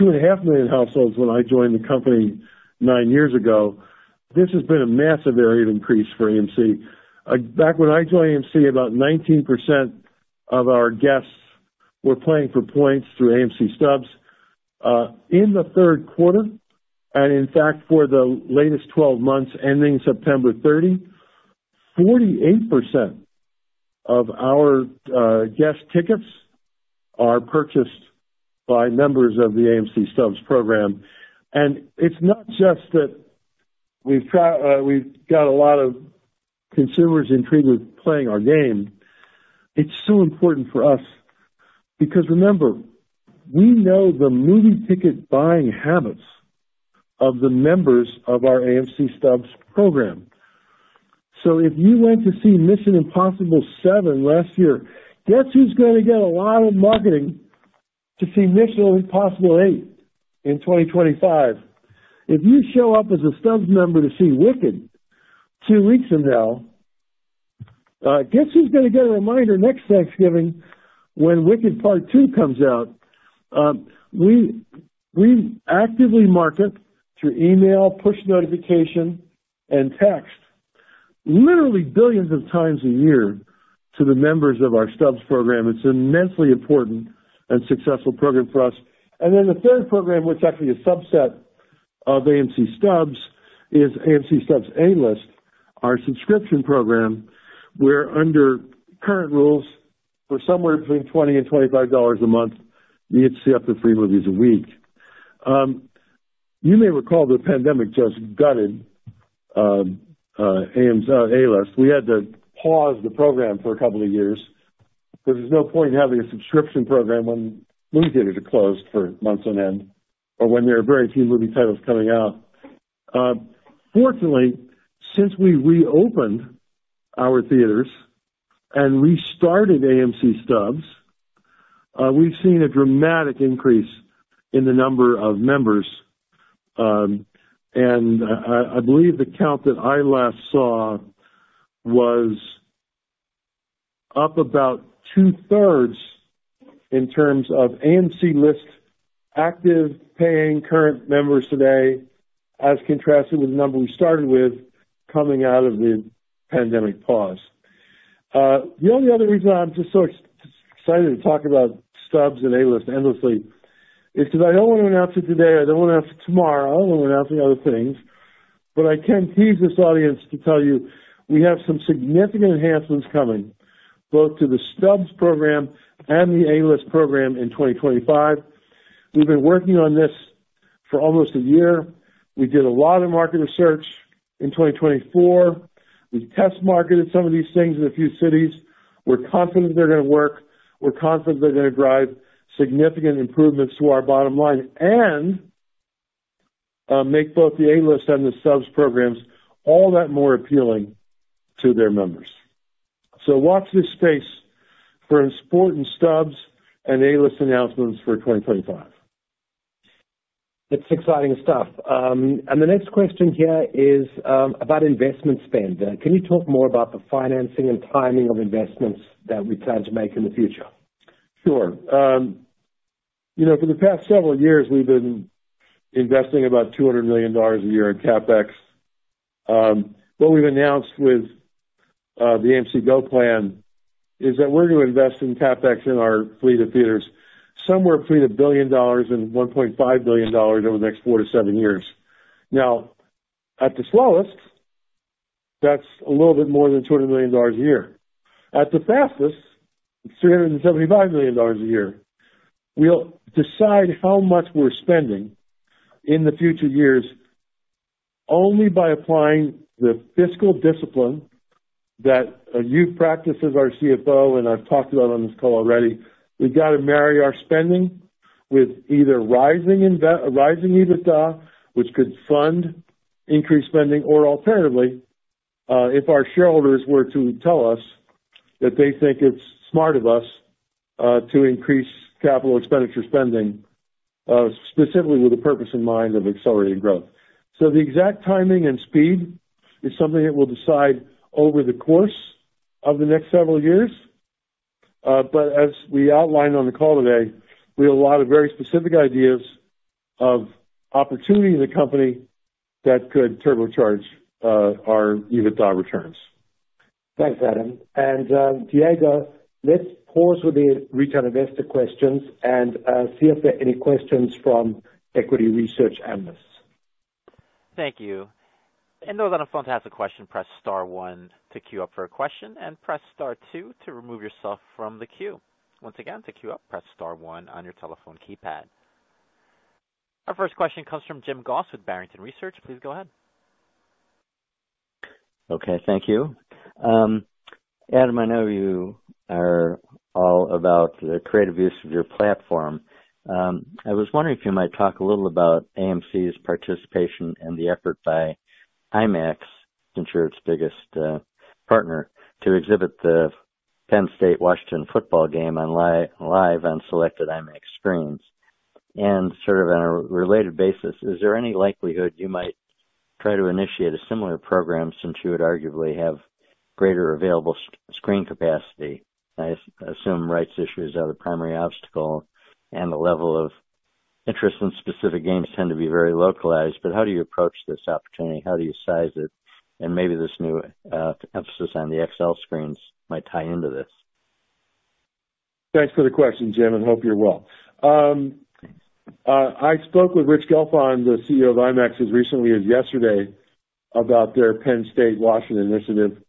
2.5 million households when I joined the company nine years ago. This has been a massive area of increase for AMC. Back when I joined AMC, about 19% of our guests were playing for points through AMC Stubs. In the third quarter, and in fact, for the latest 12 months ending September 30, 48% of our guest tickets are purchased by members of the AMC Stubs program. And it's not just that we've got a lot of consumers intrigued with playing our game. It's so important for us because, remember, we know the movie ticket buying habits of the members of our AMC Stubs program. So if you went to see Mission: Impossible 7 last year, guess who's going to get a lot of marketing to see Mission: Impossible 8 in 2025? If you show up as a Stubs member to see Wicked two weeks from now, guess who's going to get a reminder next Thanksgiving when Wicked Part 2 comes out? We actively market through email, push notification, and text, literally billions of times a year to the members of our Stubs program. It's an immensely important and successful program for us, and then the third program, which is actually a subset of AMC Stubs, is AMC Stubs A-List, our subscription program, where under current rules, for somewhere between $20-$25 a month, you get to see up to three movies a week. You may recall the pandemic just gutted A-List. We had to pause the program for a couple of years because there's no point in having a subscription program when movie theaters are closed for months on end or when there are very few movie titles coming out. Fortunately, since we reopened our theaters and restarted AMC Stubs, we've seen a dramatic increase in the number of members. I believe the count that I last saw was up about 2/3 in terms of A-List active paying current members today, as contrasted with the number we started with coming out of the pandemic pause. The only other reason I'm just so excited to talk about Stubs and A-List endlessly is because I don't want to announce it today. I don't want to announce it tomorrow. I don't want to announce any other things, but I can tease this audience to tell you we have some significant enhancements coming both to the Stubs program and the A-List program in 2025. We've been working on this for almost a year. We did a lot of market research in 2024. We test marketed some of these things in a few cities. We're confident they're going to work. We're confident they're going to drive significant improvements to our bottom line and make both the A-List and the Stubs programs all that more appealing to their members. So watch this space for important Stubs and A-List announcements for 2025. It's exciting stuff, and the next question here is about investment spend. Can you talk more about the financing and timing of investments that we plan to make in the future? Sure. For the past several years, we've been investing about $200 million a year in CapEx. What we've announced with the AMC Go Plan is that we're going to invest in CapEx in our fleet of theaters, somewhere between $1 billion and $1.5 billion over the next four to seven years. Now, at the slowest, that's a little bit more than $200 million a year. At the fastest, $375 million a year. We'll decide how much we're spending in the future years only by applying the fiscal discipline that you've practiced as our CFO, and I've talked about on this call already. We've got to marry our spending with either rising EBITDA, which could fund increased spending, or alternatively, if our shareholders were to tell us that they think it's smart of us to increase capital expenditure spending, specifically with the purpose in mind of accelerating growth. So the exact timing and speed is something that we'll decide over the course of the next several years. But as we outlined on the call today, we have a lot of very specific ideas of opportunity in the company that could turbocharge our EBITDA returns. Thanks, Adam, and Diego, let's pause with the retail investor questions and see if there are any questions from equity research analysts. Thank you. And those on the phone to ask a question, press star one to queue up for a question, and press star two to remove yourself from the queue. Once again, to queue up, press star one on your telephone keypad. Our first question comes from Jim Goss with Barrington Research. Please go ahead. Okay, thank you. Adam, I know you are all about the creative use of your platform. I was wondering if you might talk a little about AMC's participation and the effort by IMAX, since you're its biggest partner, to exhibit the Penn State Washington football game live on selected IMAX screens. And sort of on a related basis, is there any likelihood you might try to initiate a similar program since you would arguably have greater available screen capacity? I assume rights issues are the primary obstacle, and the level of interest in specific games tend to be very localized. But how do you approach this opportunity? How do you size it? And maybe this new emphasis on the XL screens might tie into this. Thanks for the question, Jim. I hope you're well. I spoke with Rich Gelfond, the CEO of IMAX, as recently as yesterday about their Penn State Washington initiative.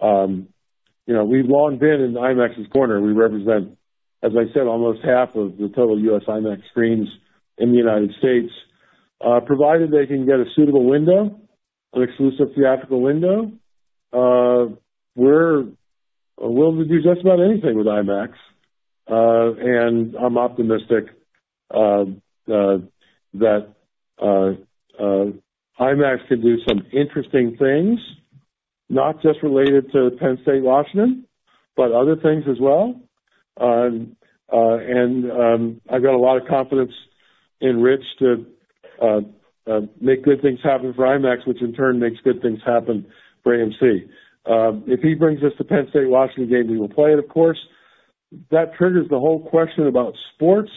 We've long been in IMAX's corner. We represent, as I said, almost half of the total U.S. IMAX screens in the United States. Provided they can get a suitable window, an exclusive theatrical window, we're willing to do just about anything with IMAX, and I'm optimistic that IMAX can do some interesting things, not just related to Penn State Washington, but other things as well, and I've got a lot of confidence in Rich to make good things happen for IMAX, which in turn makes good things happen for AMC. If he brings us to Penn State Washington games, we will play it, of course. That triggers the whole question about sports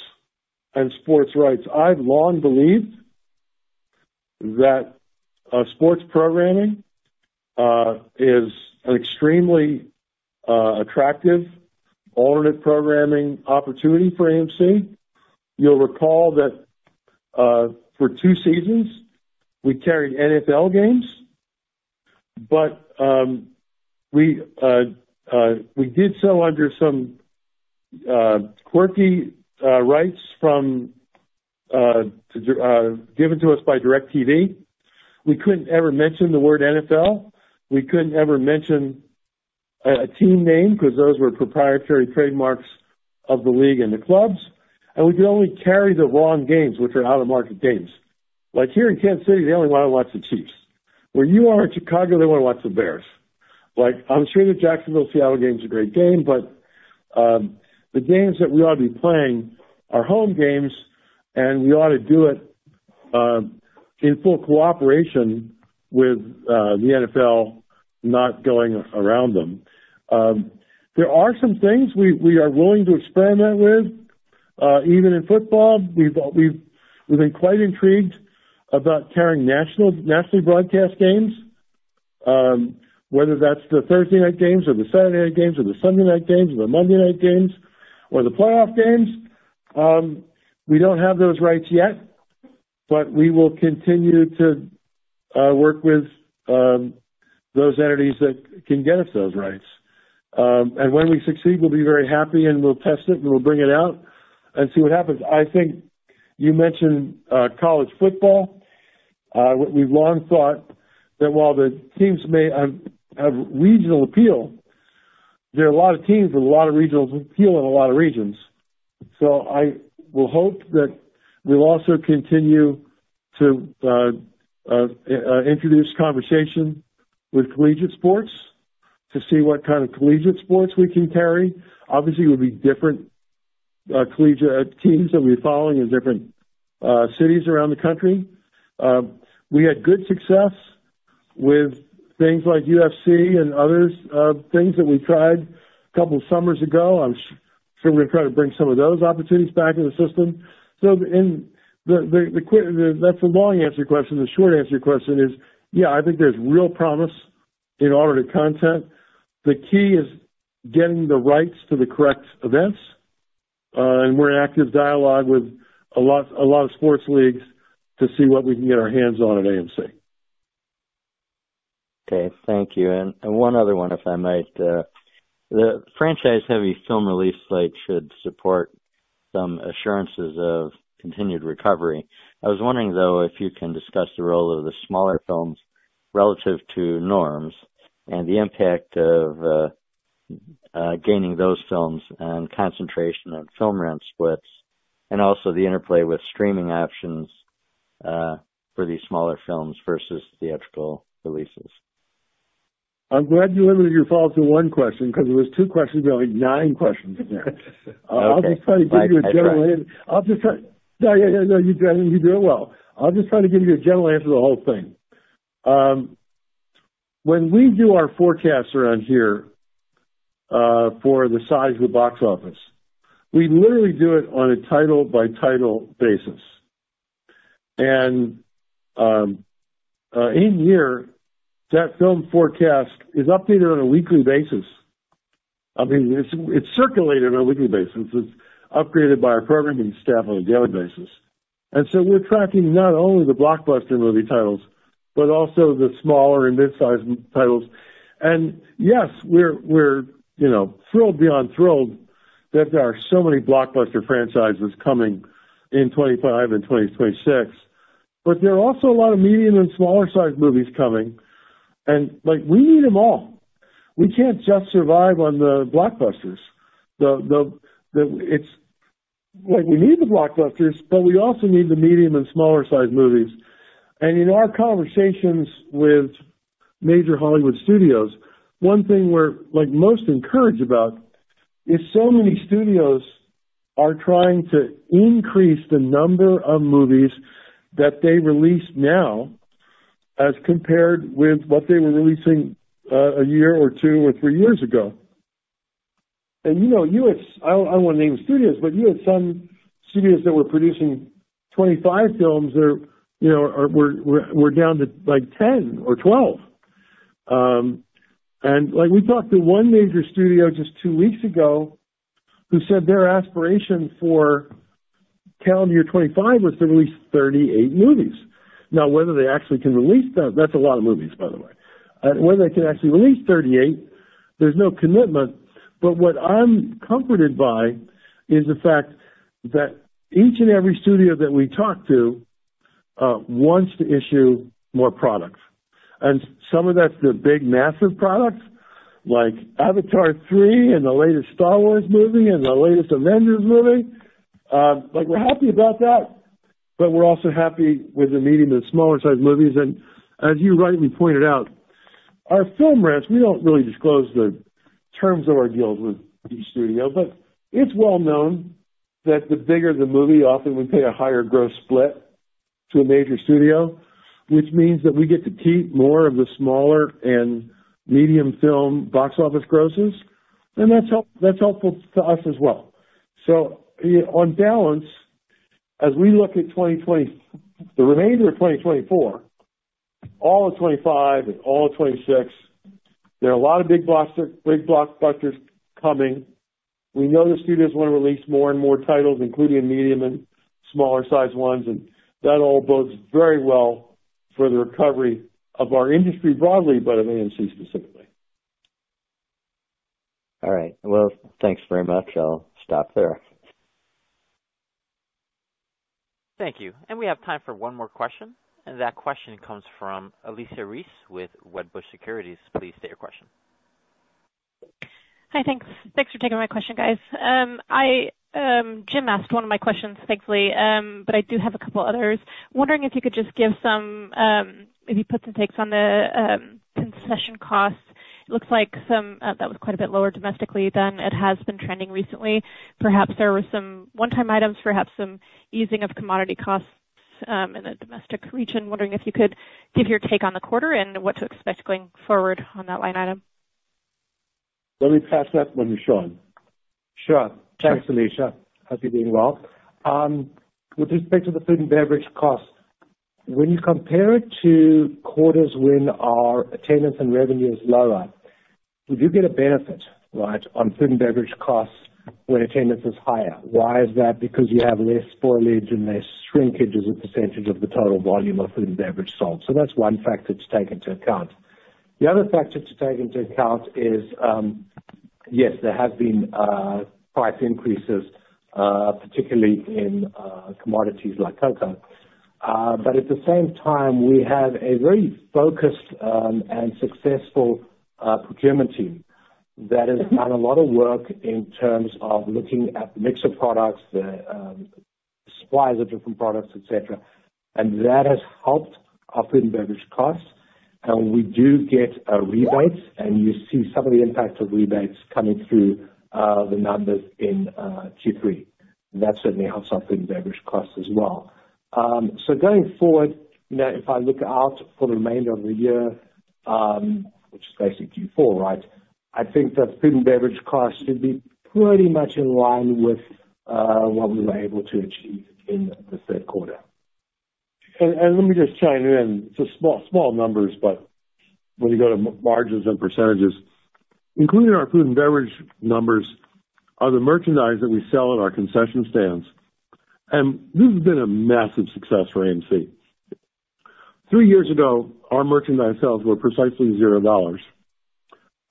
and sports rights. I've long believed that sports programming is an extremely attractive alternate programming opportunity for AMC. You'll recall that for two seasons, we carried NFL games, but we did so under some quirky rights given to us by DirecTV. We couldn't ever mention the word NFL. We couldn't ever mention a team name because those were proprietary trademarks of the league and the clubs, and we could only carry the wrong games, which are out-of-market games. Like here in Kansas City, they only want to watch the Chiefs. Where you are in Chicago, they want to watch the Bears. I'm sure the Jacksonville-Seattle game is a great game, but the games that we ought to be playing are home games, and we ought to do it in full cooperation with the NFL, not going around them. There are some things we are willing to experiment with, even in football. We've been quite intrigued about carrying nationally broadcast games, whether that's the Thursday night games or the Saturday night games or the Sunday night games or the Monday night games or the playoff games. We don't have those rights yet, but we will continue to work with those entities that can get us those rights. And when we succeed, we'll be very happy, and we'll test it, and we'll bring it out and see what happens. I think you mentioned college football. We've long thought that while the teams may have regional appeal, there are a lot of teams with a lot of regional appeal in a lot of regions. So I will hope that we'll also continue to introduce conversation with collegiate sports to see what kind of collegiate sports we can carry. Obviously, it would be different collegiate teams that we're following in different cities around the country. We had good success with things like UFC and other things that we tried a couple of summers ago. I'm sure we're going to try to bring some of those opportunities back into the system. So that's the long answer question. The short answer question is, yeah, I think there's real promise in alternate content. The key is getting the rights to the correct events. And we're in active dialogue with a lot of sports leagues to see what we can get our hands on at AMC. Okay, thank you. And one other one, if I might. The franchise-heavy film release slate should support some assurances of continued recovery. I was wondering, though, if you can discuss the role of the smaller films relative to norms and the impact of gaining those films and concentration on film rent splits and also the interplay with streaming options for these smaller films versus theatrical releases? I'm glad you limited your follow-up to one question because there were two questions. We only have nine questions here. I'll just try to give you a general answer. No, you're doing well. I'll just try to give you a general answer to the whole thing. When we do our forecasts around here for the size of the box office, we literally do it on a title-by-title basis, and in here, that film forecast is updated on a weekly basis. I mean, it's circulated on a weekly basis. It's upgraded by our programming staff on a daily basis, and so we're tracking not only the blockbuster movie titles, but also the smaller and mid-sized titles, and yes, we're thrilled beyond thrilled that there are so many blockbuster franchises coming in 2025 and 2026, but there are also a lot of medium and smaller-sized movies coming. We need them all. We can't just survive on the blockbusters. We need the blockbusters, but we also need the medium and smaller-sized movies. In our conversations with major Hollywood studios, one thing we're most encouraged about is so many studios are trying to increase the number of movies that they release now as compared with what they were releasing a year or two or three years ago. I don't want to name studios, but you had some studios that were producing 25 films that were down to like 10 or 12. We talked to one major studio just two weeks ago who said their aspiration for calendar year 2025 was to release 38 movies. Now, whether they actually can release them, that's a lot of movies, by the way. Whether they can actually release 38, there's no commitment. But what I'm comforted by is the fact that each and every studio that we talk to wants to issue more products. And some of that's the big massive products, like Avatar 3 and the latest Star Wars movie and the latest Avengers movie. We're happy about that, but we're also happy with the medium and smaller-sized movies. And as you rightly pointed out, our film rents, we don't really disclose the terms of our deals with each studio, but it's well known that the bigger the movie, often we pay a higher gross split to a major studio, which means that we get to keep more of the smaller and medium film box office grosses. And that's helpful to us as well. So on balance, as we look at the remainder of 2024, all of 2025 and all of 2026, there are a lot of big blockbusters coming. We know the studios want to release more and more titles, including medium and smaller-sized ones, and that all bodes very well for the recovery of our industry broadly, but of AMC specifically. All right. Well, thanks very much. I'll stop there. Thank you. And we have time for one more question. And that question comes from Alicia Reese with Wedbush Securities. Please state your question. Hi, thanks. Thanks for taking my question, guys. Jim asked one of my questions, thankfully, but I do have a couple others. Wondering if you could just give some maybe puts and takes on the concession costs. It looks like that was quite a bit lower domestically than it has been trending recently. Perhaps there were some one-time items, perhaps some easing of commodity costs in the domestic region. Wondering if you could give your take on the quarter and what to expect going forward on that line item. Let me pass that one to Sean. Sure. Thanks, Alicia. Hope you're doing well. With respect to the food and beverage costs, when you compare it to quarters when our attendance and revenue is lower, would you get a benefit on food and beverage costs when attendance is higher? Why is that? Because you have less spoilage and less shrinkages of the percentage of the total volume of food and beverage sold. So that's one factor to take into account. The other factor to take into account is, yes, there have been price increases, particularly in commodities like cocoa. But at the same time, we have a very focused and successful procurement team that has done a lot of work in terms of looking at the mix of products, the suppliers of different products, etc. And that has helped our food and beverage costs. And we do get rebates, and you see some of the impact of rebates coming through the numbers in Q3. That certainly helps our food and beverage costs as well. So going forward, if I look out for the remainder of the year, which is basically Q4, right, I think that food and beverage costs should be pretty much in line with what we were able to achieve in the third quarter. Let me just chime in. It's small numbers, but when you go to margins and percentages, including our food and beverage numbers, are the merchandise that we sell at our concession stands. This has been a massive success for AMC. Three years ago, our merchandise sales were precisely $0.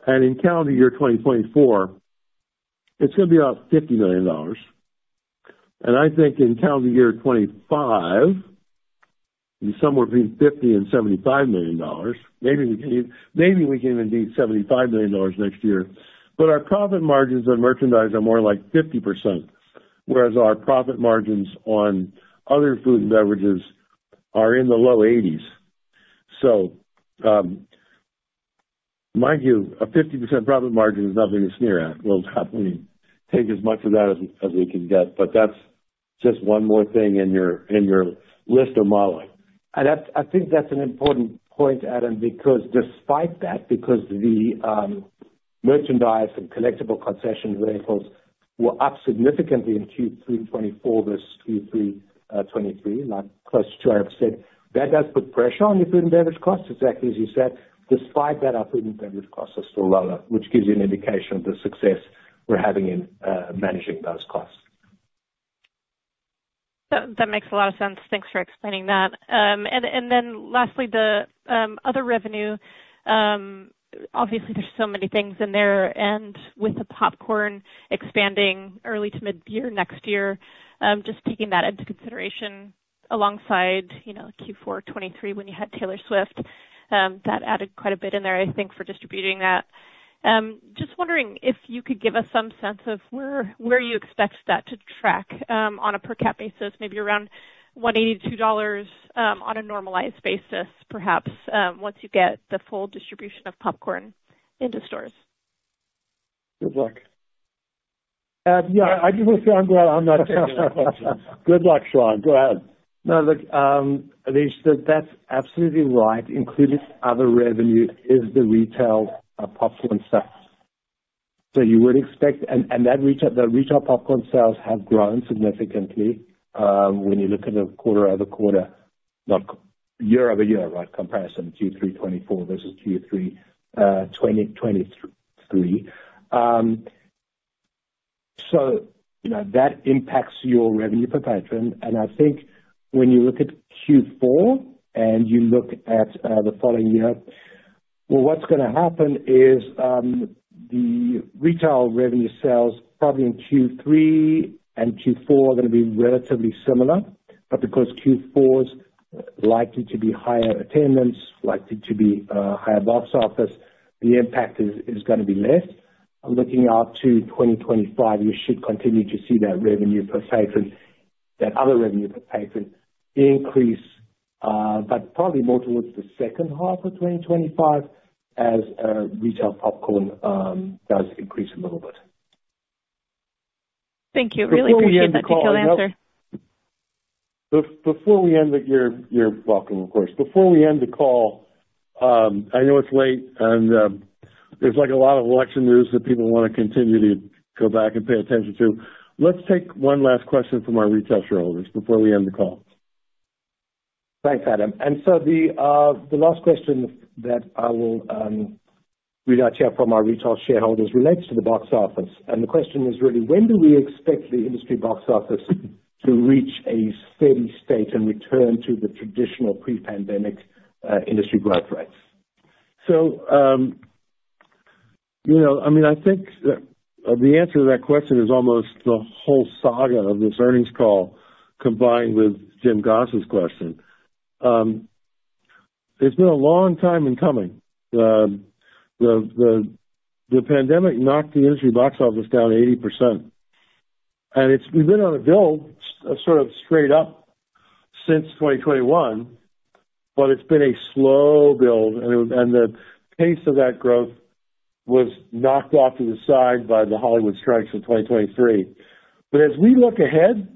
In calendar year 2024, it's going to be about $50 million. I think in calendar year 2025, somewhere between $50 million and $75 million. Maybe we can even be $75 million next year. Our profit margins on merchandise are more like 50%, whereas our profit margins on other food and beverages are in the low 80s. Mind you, a 50% profit margin is nothing to sneer at. We'll have to take as much of that as we can get, but that's just one more thing in your list of modeling. I think that's an important point, Adam, because despite that, because the merchandise and collectible concession vehicles were up significantly in Q3 2024 versus Q3 2023, like close to 200%, that does put pressure on the food and beverage costs, exactly as you said. Despite that, our food and beverage costs are still lower, which gives you an indication of the success we're having in managing those costs. That makes a lot of sense. Thanks for explaining that. And then lastly, the other revenue, obviously, there's so many things in there. And with the popcorn expanding early to mid-year next year, just taking that into consideration alongside Q4 2023 when you had Taylor Swift, that added quite a bit in there, I think, for distributing that. Just wondering if you could give us some sense of where you expect that to track on a per cap basis, maybe around $1.82 on a normalized basis, perhaps once you get the full distribution of popcorn into stores. Good luck. Yeah, I just want to say I'm glad I'm not answering your question. Good luck, Sean. Go ahead. No, look, Alicia, that's absolutely right. Including other revenue is the retail popcorn sales. So you would expect that retail popcorn sales have grown significantly when you look at a quarter-over-quarter, not year-over-year, right, comparison Q3 2024 versus Q3 2023. So that impacts your revenue per patron. And I think when you look at Q4 and you look at the following year, well, what's going to happen is the retail revenue sales probably in Q3 and Q4 are going to be relatively similar. But because Q4 is likely to be higher attendance, likely to be higher box office, the impact is going to be less. Looking out to 2025, you should continue to see that revenue per patron, that other revenue per patron increase, but probably more towards the second half of 2025 as retail popcorn does increase a little bit. Thank you. Really appreciate that detailed answer. Before we end the—you're welcome, of course. Before we end the call, I know it's late and there's a lot of election news that people want to continue to go back and pay attention to. Let's take one last question from our retail shareholders before we end the call. Thanks, Adam. And so the last question that we'd like to hear from our retail shareholders relates to the box office. And the question is really, when do we expect the industry box office to reach a steady state and return to the traditional pre-pandemic industry growth rates? So I mean, I think the answer to that question is almost the whole saga of this earnings call combined with Jim Goss's question. It's been a long time in coming. The pandemic knocked the industry box office down 80%. We've been on a build sort of straight up since 2021, but it's been a slow build. The pace of that growth was knocked off to the side by the Hollywood strikes of 2023. As we look ahead,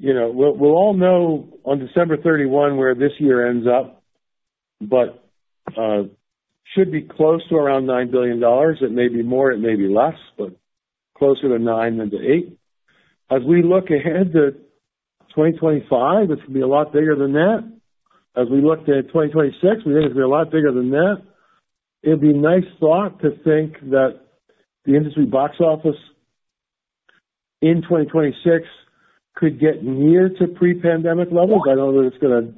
we'll all know on December 31 where this year ends up, but should be close to around $9 billion. It may be more, it may be less, but closer to $9 billion than to $8 billion. As we look ahead to 2025, it's going to be a lot bigger than that. As we look to 2026, we think it's going to be a lot bigger than that. It'd be a nice thought to think that the industry box office in 2026 could get near to pre-pandemic levels. I don't know that it's going to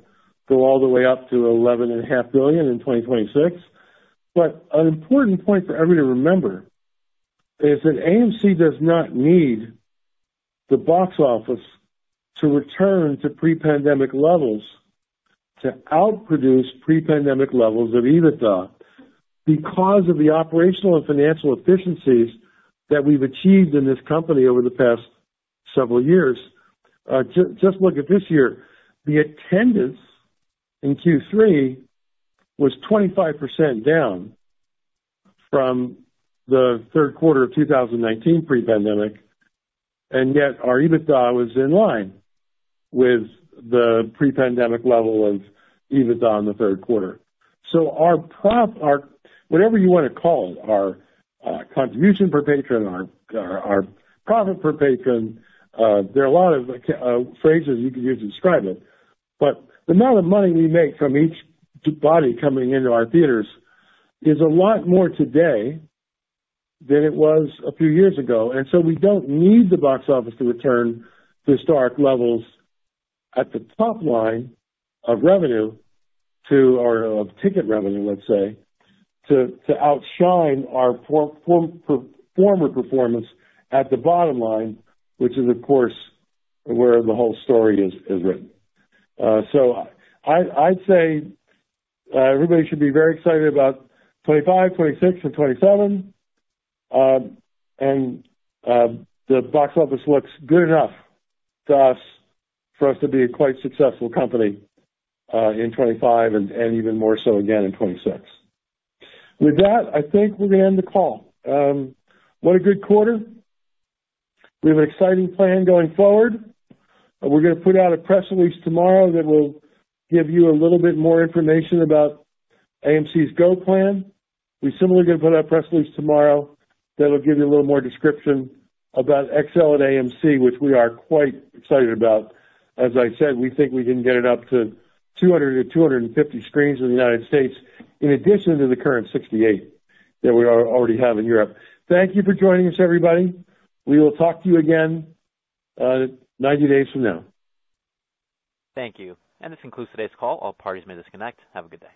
go all the way up to $11.5 billion in 2026. But an important point for everyone to remember is that AMC does not need the box office to return to pre-pandemic levels to outproduce pre-pandemic levels of EBITDA because of the operational and financial efficiencies that we've achieved in this company over the past several years. Just look at this year. The attendance in Q3 was 25% down from the third quarter of 2019 pre-pandemic, and yet our EBITDA was in line with the pre-pandemic level of EBITDA in the third quarter. So whatever you want to call it, our contribution per patron, our profit per patron, there are a lot of phrases you could use to describe it. But the amount of money we make from each body coming into our theaters is a lot more today than it was a few years ago. And so we don't need the box office to return to pre-pandemic levels at the top line of revenue or of ticket revenue, let's say, to outshine our former performance at the bottom line, which is, of course, where the whole story is written. So I'd say everybody should be very excited about 2025, 2026, and 2027. And the box office looks good enough for us to be a quite successful company in 2025 and even more so again in 2026. With that, I think we're going to end the call. What a good quarter. We have an exciting plan going forward. We're going to put out a press release tomorrow that will give you a little bit more information about AMC Go Plan. We're similarly going to put out a press release tomorrow that will give you a little more description about XL at AMC, which we are quite excited about. As I said, we think we can get it up to 200-250 screens in the United States, in addition to the current 68 that we already have in Europe. Thank you for joining us, everybody. We will talk to you again 90 days from now. Thank you. And this concludes today's call. All parties may disconnect. Have a good day.